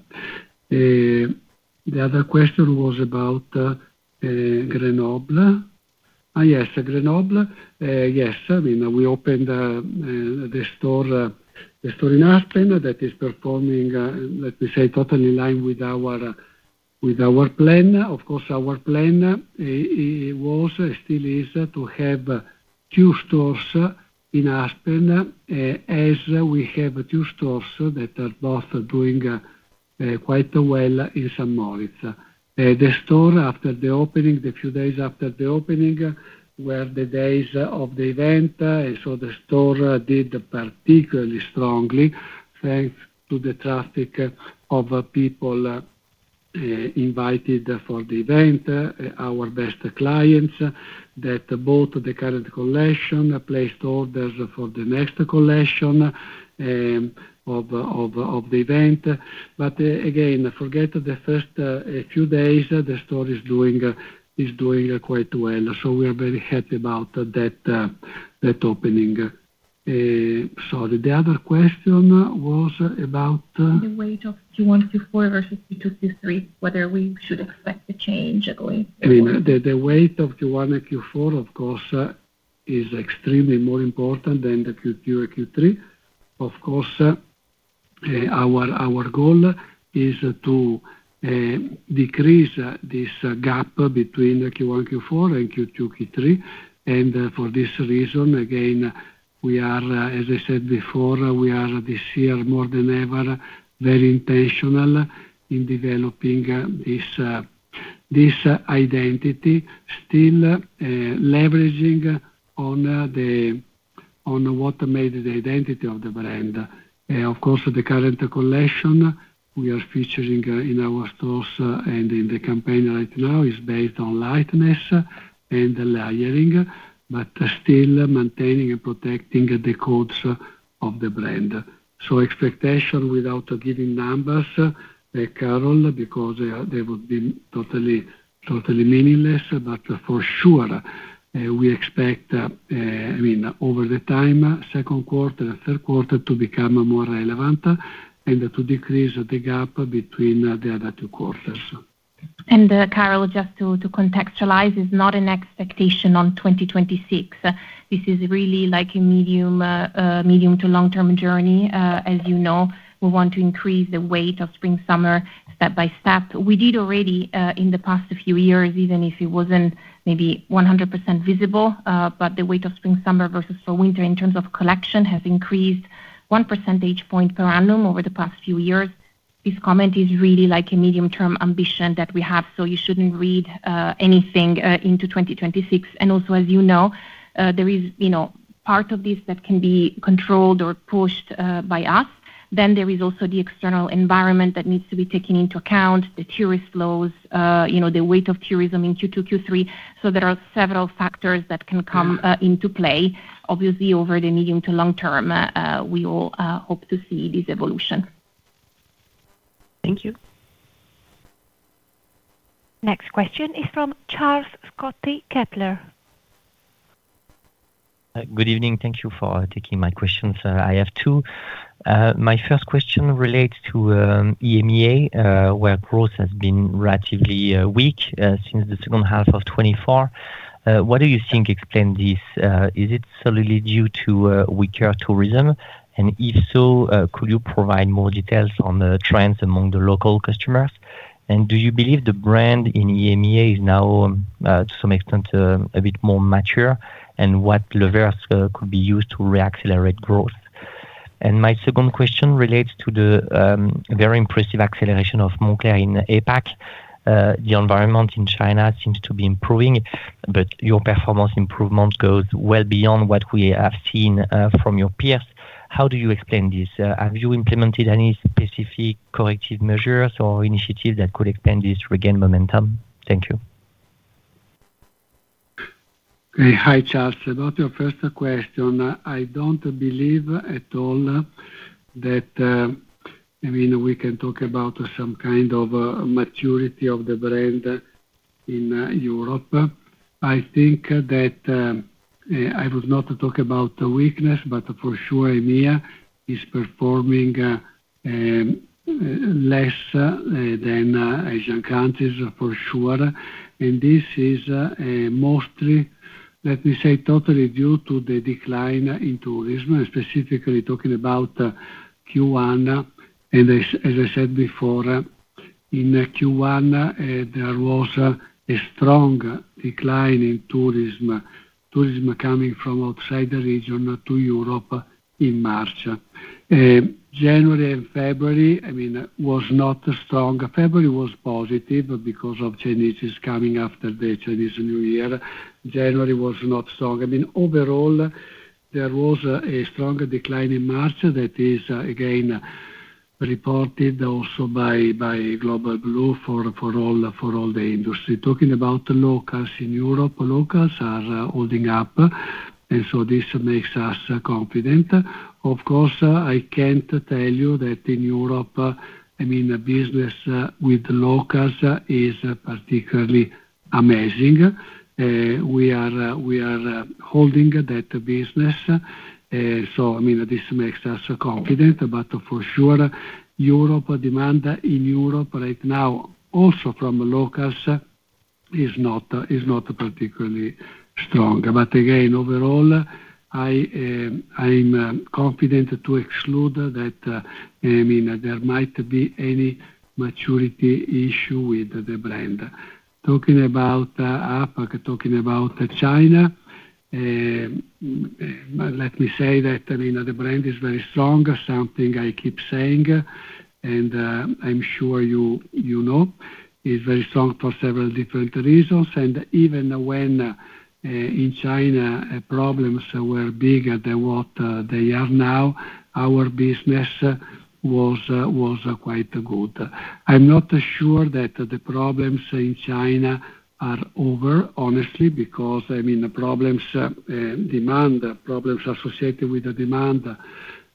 The other question was about Grenoble. Yes, Grenoble. Yes. We opened the store in Aspen that is performing, let me say, totally in line with our plan. Of course, our plan, it was and still is to have two stores in Aspen, as we have two stores that are both doing quite well in St. Moritz. The store after the opening, the few days after the opening, were the days of the event. The store did particularly strongly, thanks to the traffic of people invited for the event, our best clients, that bought the current collection placed orders for the next collection of the event. Again, forget the first few days, the store is doing quite well. We are very happy about that opening. Sorry, the other question was about- The weight of Q1 to Q4 versus Q2 to Q3, whether we should expect a change going forward? The weight of Q1 and Q4, of course, is extremely more important than the Q2 or Q3. Of course, our goal is to decrease this gap between Q1, Q4 and Q2, Q3. For this reason, again, as I said before, we are this year more than ever, very intentional in developing this identity, still leveraging on what made the identity of the brand. Of course, the current collection we are featuring in our stores and in the campaign right now is based on lightness and layering, but still maintaining and protecting the codes of the brand. Expectation without giving numbers, Carole, because they would be totally meaningless. But for sure, we expect over the time, second quarter and third quarter, to become more relevant and to decrease the gap between the other two quarters. Carole, just to contextualize, it's not an expectation on 2026. This is really a medium to long-term journey. As you know, we want to increase the weight of spring/summer step by step. We did already in the past few years, even if it wasn't maybe 100% visible. The weight of spring/summer versus fall/winter in terms of collection has increased one percentage point per annum over the past few years. This comment is really a medium-term ambition that we have, so you shouldn't read anything into 2026. Also, as you know, there is part of this that can be controlled or pushed by us. There is also the external environment that needs to be taken into account, the tourist flows, the weight of tourism in Q2, Q3. There are several factors that can come into play. Obviously, over the medium to long term, we all hope to see this evolution. Thank you. Next question is from Charles Scotti, Kepler. Good evening. Thank you for taking my questions. I have two. My first question relates to EMEA, where growth has been relatively weak since the second half of 2024. What do you think explain this? Is it solely due to weaker tourism? And if so, could you provide more details on the trends among the local customers? And do you believe the brand in EMEA is now, to some extent, a bit more mature? And what levers could be used to re-accelerate growth? And my second question relates to the very impressive acceleration of Moncler in APAC. The environment in China seems to be improving, but your performance improvement goes well-beyond what we have seen from your peers. How do you explain this? Have you implemented any specific corrective measures or initiatives that could explain this regained momentum? Thank you. Hi, Charles. About your first question, I don't believe at all that we can talk about some kind of maturity of the brand in Europe. I think that I would not talk about weakness, but for sure, EMEA is performing less than Asian countries, for sure. This is mostly, let me say, totally due to the decline in tourism, specifically talking about Q1. As I said before, in Q1, there was a strong decline in tourism coming from outside the region to Europe in March. January and February was not strong. February was positive because of Chinese coming after the Chinese New Year. January was not strong. Overall, there was a strong decline in March that is again reported also by Global Blue for all the industry. Talking about locals in Europe, locals are holding up, and so this makes us confident. Of course, I can't tell you that in Europe, business with locals is particularly amazing. We are holding that business, so this makes us confident. For sure, demand in Europe right now, also from locals, is not particularly strong. Again, overall, I'm confident to exclude that there might be any maturity issue with the brand. Talking about APAC, talking about China, let me say that the brand is very strong, something I keep saying, and I'm sure you know. It's very strong for several different reasons. Even when in China problems were bigger than what they are now, our business was quite good. I'm not sure that the problems in China are over, honestly, because the problems associated with the demand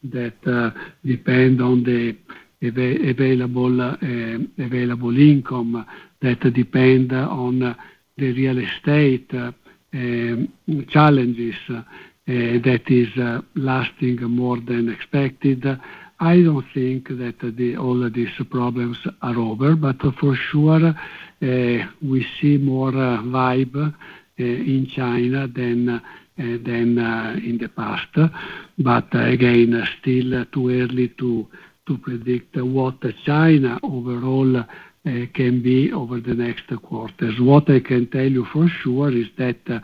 that depend on the available income, that depend on the real estate challenges that is lasting more than expected. I don't think that all these problems are over, but for sure, we see more vibe in China than in the past. Again, still too early to predict what China overall can be over the next quarters. What I can tell you for sure is that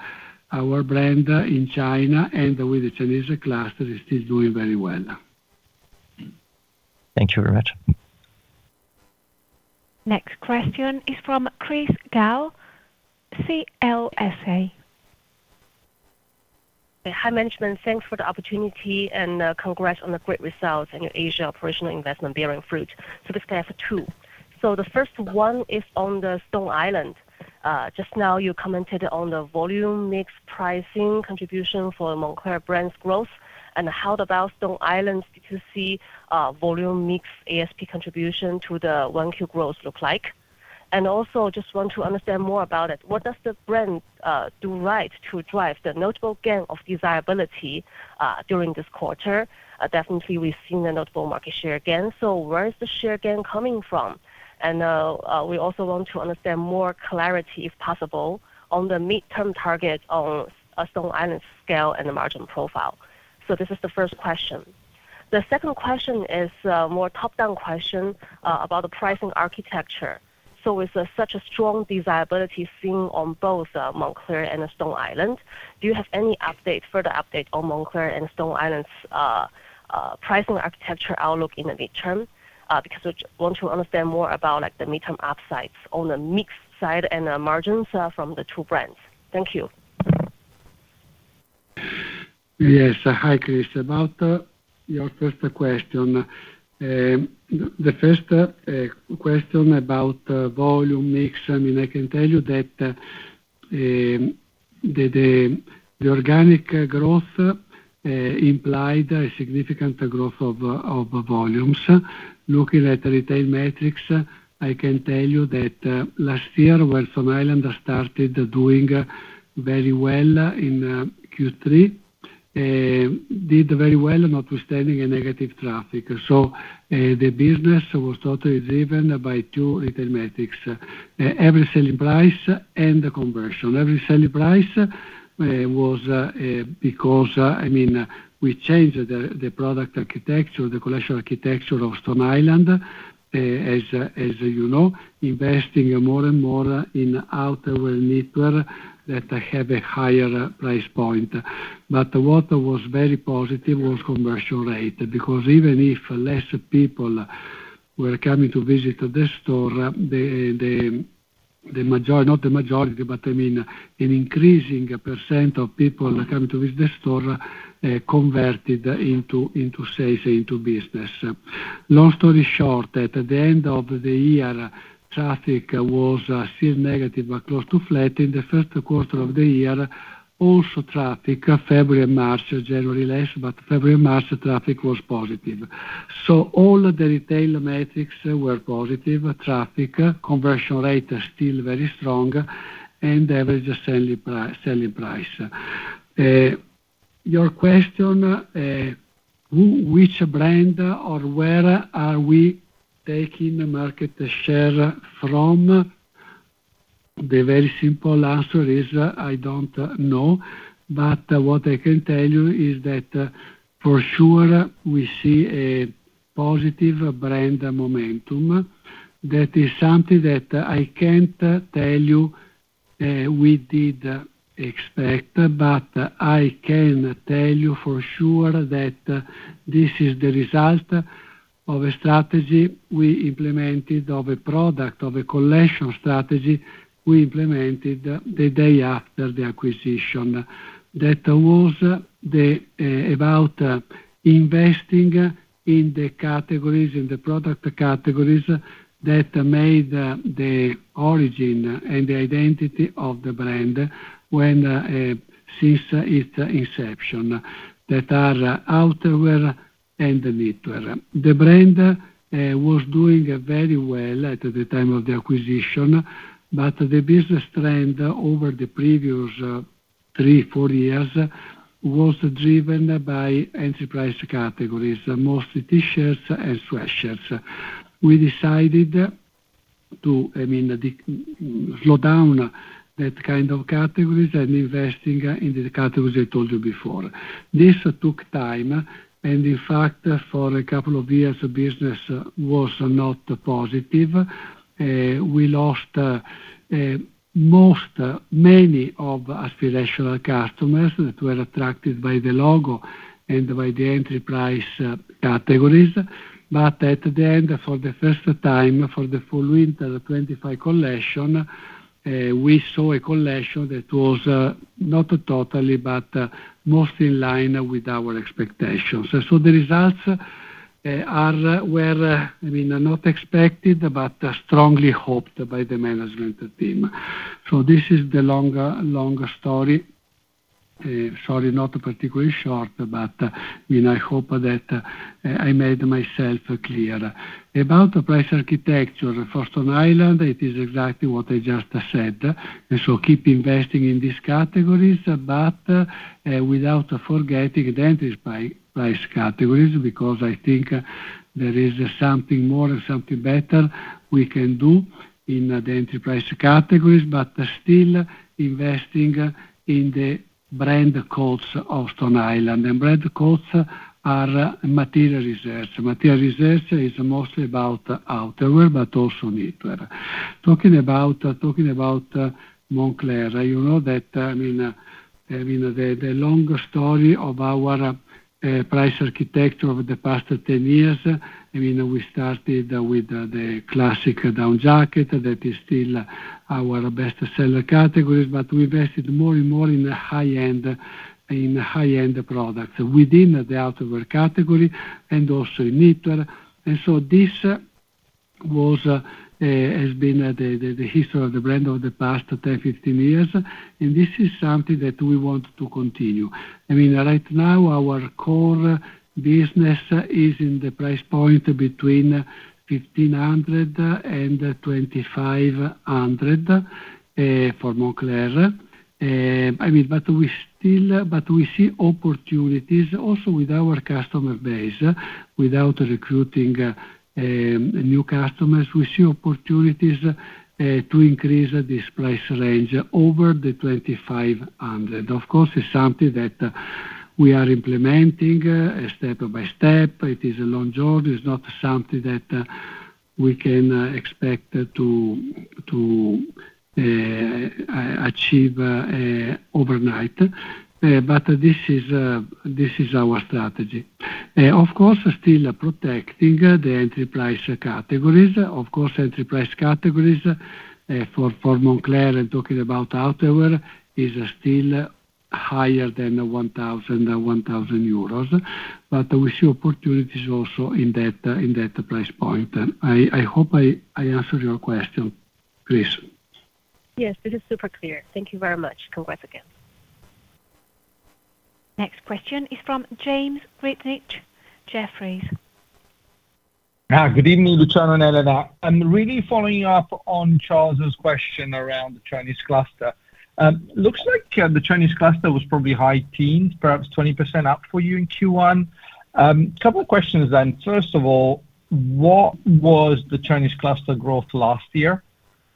our brand in China and with the Chinese clients is still doing very well. Thank you very much. Next question is from Chris Gao, CLSA. Hi, management. Thanks for the opportunity and congrats on the great results and your Asia operational investment bearing fruit. I just can ask two. The first one is on the Stone Island. Just now you commented on the volume mix pricing contribution for Moncler brand's growth, and how did you see the Stone Island volume mix ASP contribution to the 1Q growth look like? And I also just want to understand more about it. What does the brand do right to drive the notable gain of desirability during this quarter? Definitely, we've seen a notable market share gain. Where is the share gain coming from? And we also want to understand more clarity, if possible, on the mid-term target of Stone Island scale and the margin profile. This is the first question. The second question is more top-down question about the pricing architecture. With such a strong desirability seen on both Moncler and Stone Island, do you have any further update on Moncler and Stone Island's pricing architecture outlook in the midterm? Because we want to understand more about the midterm upsides on the mix-side and the margins from the two brands. Thank you. Yes. Hi, Chris. About your first question. The first question about volume mix, I mean, I can tell you that the organic growth implied a significant growth of volumes. Looking at retail metrics, I can tell you that last year when Stone Island started doing very well in Q3, did very well notwithstanding a negative traffic. The business was totally driven by two retail metrics, average selling price and the conversion. Average selling price was because, I mean, we changed the product architecture, the collection architecture of Stone Island, as you know, investing more and more in outerwear knitwear that have a higher price point. What was very positive was conversion rate, because even if less people were coming to visit the store, not the majority, but I mean, an increasing percent of people coming to visit the store, converted into sales into business. Long story short, at the end of the year, traffic was still negative but close to flat. In the first quarter of the year, also traffic, February and March, January less, but February, March, traffic was positive. So all the retail metrics were positive. Traffic, conversion rate is still very strong, and average selling price. Your question, which brand or where are we taking the market share from? The very simple answer is, I don't know, but what I can tell you is that for sure, we see a positive brand momentum. That is something that I can't tell you we did expect, but I can tell you for sure that this is the result of a strategy we implemented of a product, of a collection strategy the day after the acquisition. That was about investing in the categories, in the product categories that made the origin and the identity of the brand since its inception, that are outerwear and knitwear. The brand was doing very well at the time of the acquisition, but the business trend over the previous three, four years was driven by aspirational categories, mostly T-shirts and sweatshirts. We decided to, I mean, slow down that kind of categories and investing in the categories I told you before. This took time, and in fact, for a couple of years, the business was not positive. We lost many of aspirational customers that were attracted by the logo and by the aspirational categories. At the end, for the first time, for the Fall/Winter 2025 collection, we saw a collection that was not totally, but mostly in line with our expectations. The results were, I mean, not expected, but strongly hoped by the management team. This is the long story. Sorry, not particularly short, but, I mean, I hope that I made myself clear. About the price architecture for Stone Island, it is exactly what I just said. Keep investing in these categories, but without forgetting the enterprise price categories, because I think there is something more and something better we can do in the enterprise categories, but still investing in the brand codes of Stone Island. Brand codes are material research. Material research is mostly about outerwear, but also knitwear. Talking about Moncler, you know that the long story of our price architecture over the past 10 years, we started with the classic down jacket that is still our best seller categories, but we invested more and more in high-end products within the outerwear category and also in knitwear. This has been the history of the brand over the past 10-15 years, and this is something that we want to continue. Right now, our core business is in the price point between 1,500-2,500 for Moncler. We see opportunities also with our customer base, without recruiting new customers. We see opportunities to increase this price range over 2,500. Of course, it's something that we are implementing step by step. It is a long job. It's not something that we can expect to achieve overnight. This is our strategy. Of course, still protecting the entry price categories. Of course, entry price categories for Moncler, I'm talking about outerwear, is still higher than 1,000 euros. We see opportunities also in that price point. I hope I answered your question, Chris. Yes, this is super clear. Thank you very much. Congrats again. Next question is from James Grzinic, Jefferies. Good evening, Luciano and Elena. I'm really following up on Charles's question around the Chinese cluster. Looks like the Chinese cluster was probably high teens, perhaps 20% up for you in Q1. Couple of questions then. First of all, what was the Chinese cluster growth last year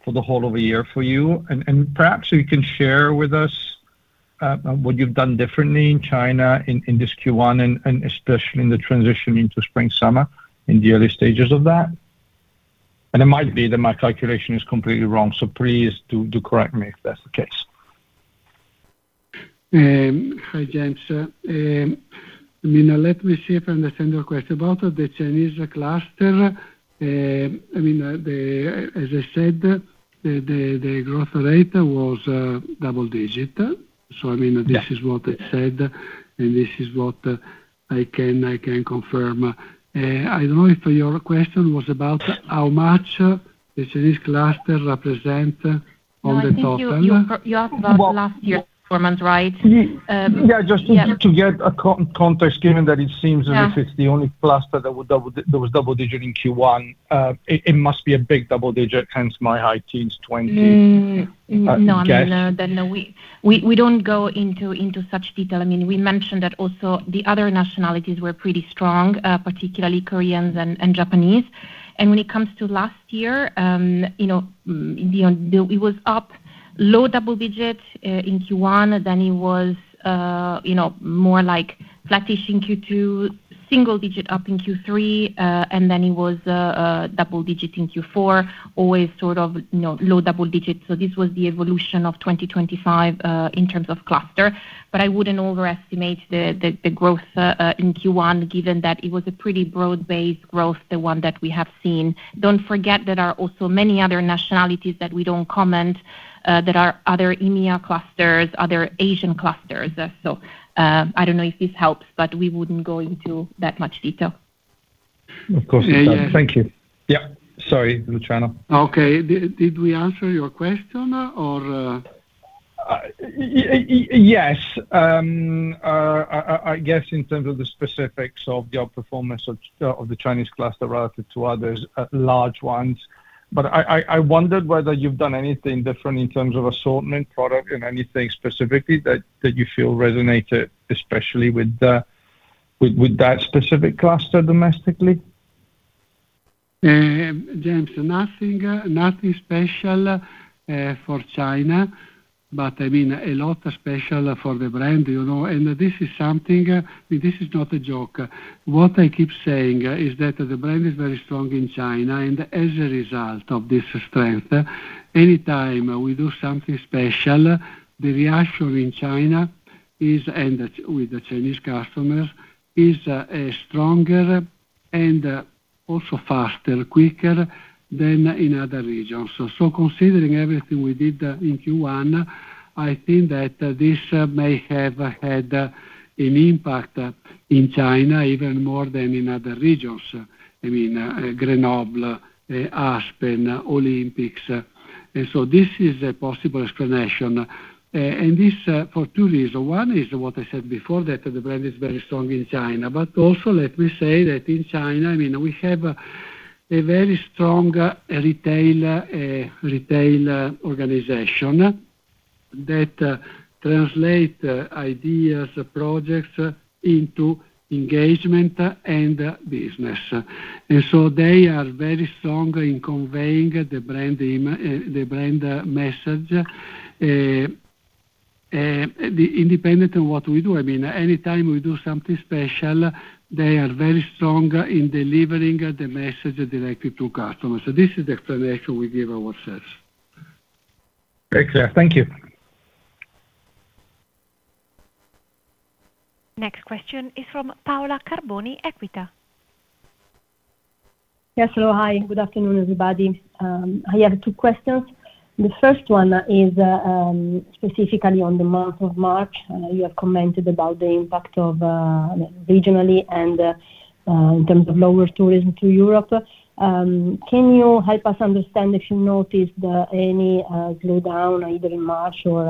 for the whole of a year for you? Perhaps you can share with us what you've done differently in China in this Q1 and especially in the transition into spring/summer in the early stages of that. It might be that my calculation is completely wrong, so please do correct me if that's the case. Hi, James. Let me see if I understand your question about the Chinese cluster. As I said, the growth rate was double-digit. I mean. Yeah This is what I said, and this is what I can confirm. I don't know if your question was about how much the Chinese cluster represent on the total. No, I think you asked about last year's performance, right? Yeah, just to get a context, given that it seems. Yeah. as if it's the only cluster that was double-digit in Q1, it must be a big double-digit, hence my high teens, 20%. No. I guess. We don't go into such detail. We mentioned that also the other nationalities were pretty strong, particularly Koreans and Japanese. When it comes to last year, it was up low double digit in Q1, then it was more like flattish in Q2, single digit up in Q3, and then it was double digit in Q4, always sort of low double digits. This was the evolution of 2025, in terms of cluster. I wouldn't overestimate the growth in Q1, given that it was a pretty broad-based growth, the one that we have seen. Don't forget there are also many other nationalities that we don't comment, that are other EMEA clusters, other Asian clusters. I don't know if this helps, but we wouldn't go into that much detail. Of course. Thank you. Yeah, yeah. Yeah. Sorry, Luciano. Okay. Did we answer your question? Yes. I guess in terms of the specifics of the outperformance of the Chinese cluster relative to others, large ones. I wondered whether you've done anything different in terms of assortment, product, and anything specifically that you feel resonated, especially with that specific cluster domestically. James, nothing special for China. I mean, a lot special for the brand. This is something, this is not a joke. What I keep saying is that the brand is very strong in China, and as a result of this strength, any time we do something special, the reaction in China and with the Chinese customers is stronger and also faster, quicker than in other regions. Considering everything we did in Q1, I think that this may have had an impact in China even more than in other regions. I mean, Grenoble, Aspen, Olympics. This is a possible explanation. This for two reasons. One is what I said before, that the brand is very strong in China. Also, let me say that in China, we have a very strong retail organization that translate ideas, projects into engagement and business. They are very strong in conveying the brand message. Independent of what we do, anytime we do something special, they are very strong in delivering the message directly to customers. This is the explanation we give ourselves. Excellent. Thank you. Next question is from Paola Carboni, EQUITA. Hello. Hi, good afternoon, everybody. I have two questions. The first one is, specifically on the month of March, you have commented about the impact regionally and in terms of lower tourism to Europe. Can you help us understand if you noticed any slow down either in March or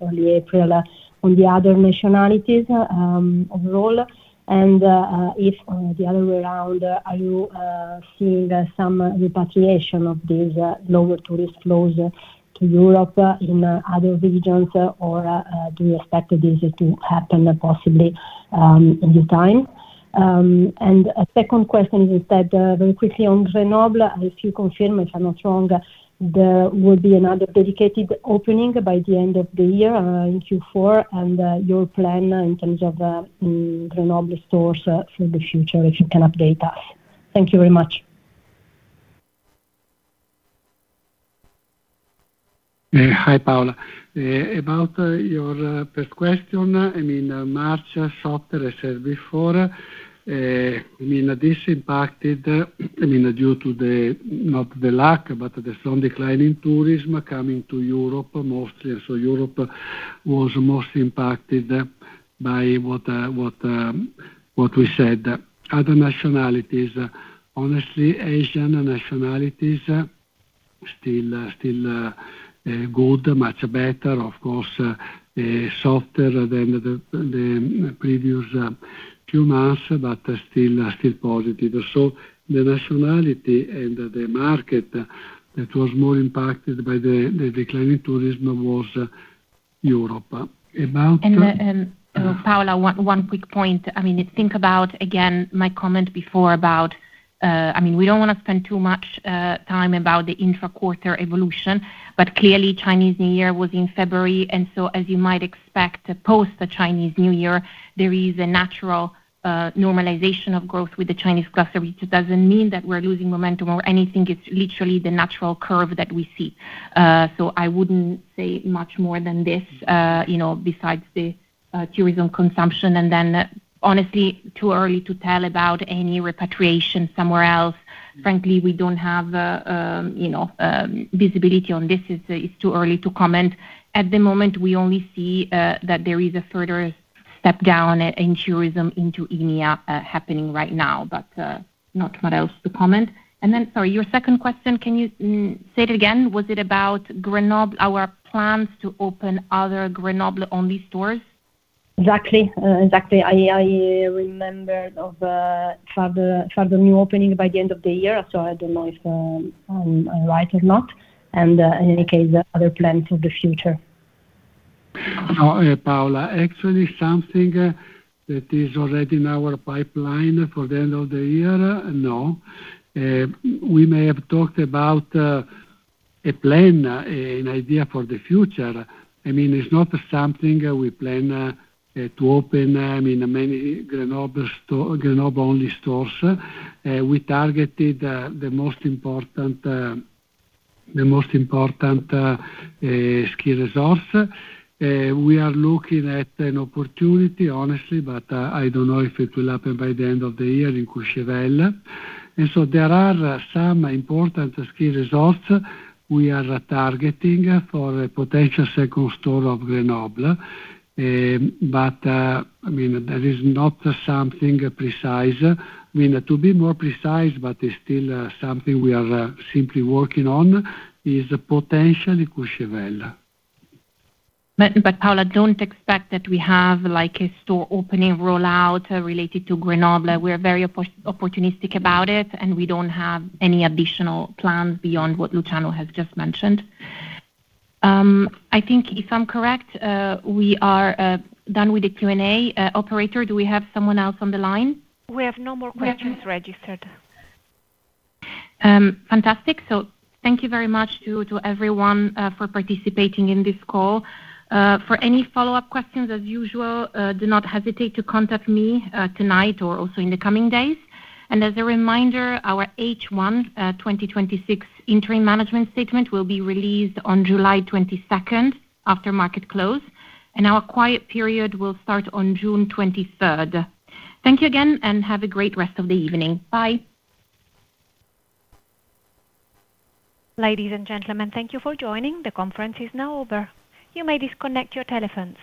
early April on the other nationalities overall? If the other way around, are you seeing some repatriation of these lower tourist flows to Europe in other regions or do you expect this to happen possibly in due time? A second question is that, very quickly on Grenoble, if you confirm, if I'm not wrong, there will be another dedicated opening by the end of the year, in Q4, and your plan in terms of Grenoble stores for the future, if you can update us. Thank you very much. Hi, Paola. About your first question, March softer, as said before. This impacted due to not the lack, but the strong decline in tourism coming to Europe mostly. Europe was most impacted by what we said. Other nationalities, honestly, Asian nationalities, still good, much better. Of course, softer than the previous few months, but still positive. The nationality and the market that was more impacted by the decline in tourism was Europe. About- Paola, one quick point. I mean, think about, again, my comment before about, we don't want to spend too much time about the intra-quarter evolution, but clearly Chinese New Year was in February, and so as you might expect, post the Chinese New Year, there is a natural normalization of growth with the Chinese cluster, which doesn't mean that we're losing momentum or anything. It's literally the natural curve that we see. So I wouldn't say much more than this, besides the tourism consumption. Then honestly, too early to tell about any repatriation somewhere else. Frankly, we don't have visibility on this. It's too early to comment. At the moment, we only see that there is a further step down in tourism into EMEA happening right now, but not much else to comment. Then, sorry, your second question, can you say it again? Was it about Grenoble, our plans to open other Grenoble only stores? Exactly. I remember there are further new openings by the end of the year. I don't know if I'm right or not, and in any case, other plans for the future. Paola, actually, something that is already in our pipeline for the end of the year, no. We may have talked about a plan, an idea for the future. I mean, it's not something we plan to open many Grenoble-only stores. We targeted the most important ski-resorts. We are looking at an opportunity, honestly, but I don't know if it will happen by the end of the year in Courchevel. There are some important ski resorts we are targeting for a potential second store of Grenoble, but that is not something precise. To be more precise, but it's still something we are simply working on, is potentially Courchevel. Paola, don't expect that we have a store opening rollout related to Grenoble. We're very opportunistic about it, and we don't have any additional plans beyond what Luciano has just mentioned. I think if I'm correct, we are done with the Q&A. Operator, do we have someone else on the line? We have no more questions registered. Fantastic. Thank you very much to everyone for participating in this call. For any follow-up questions, as usual, do not hesitate to contact me tonight or also in the coming days. As a reminder, our H1 2026 interim management statement will be released on July 22nd after market close, and our quiet period will start on June 23rd. Thank you again, and have a great rest of the evening. Bye. Ladies and gentlemen, thank you for joining. The conference is now over. You may disconnect your telephones.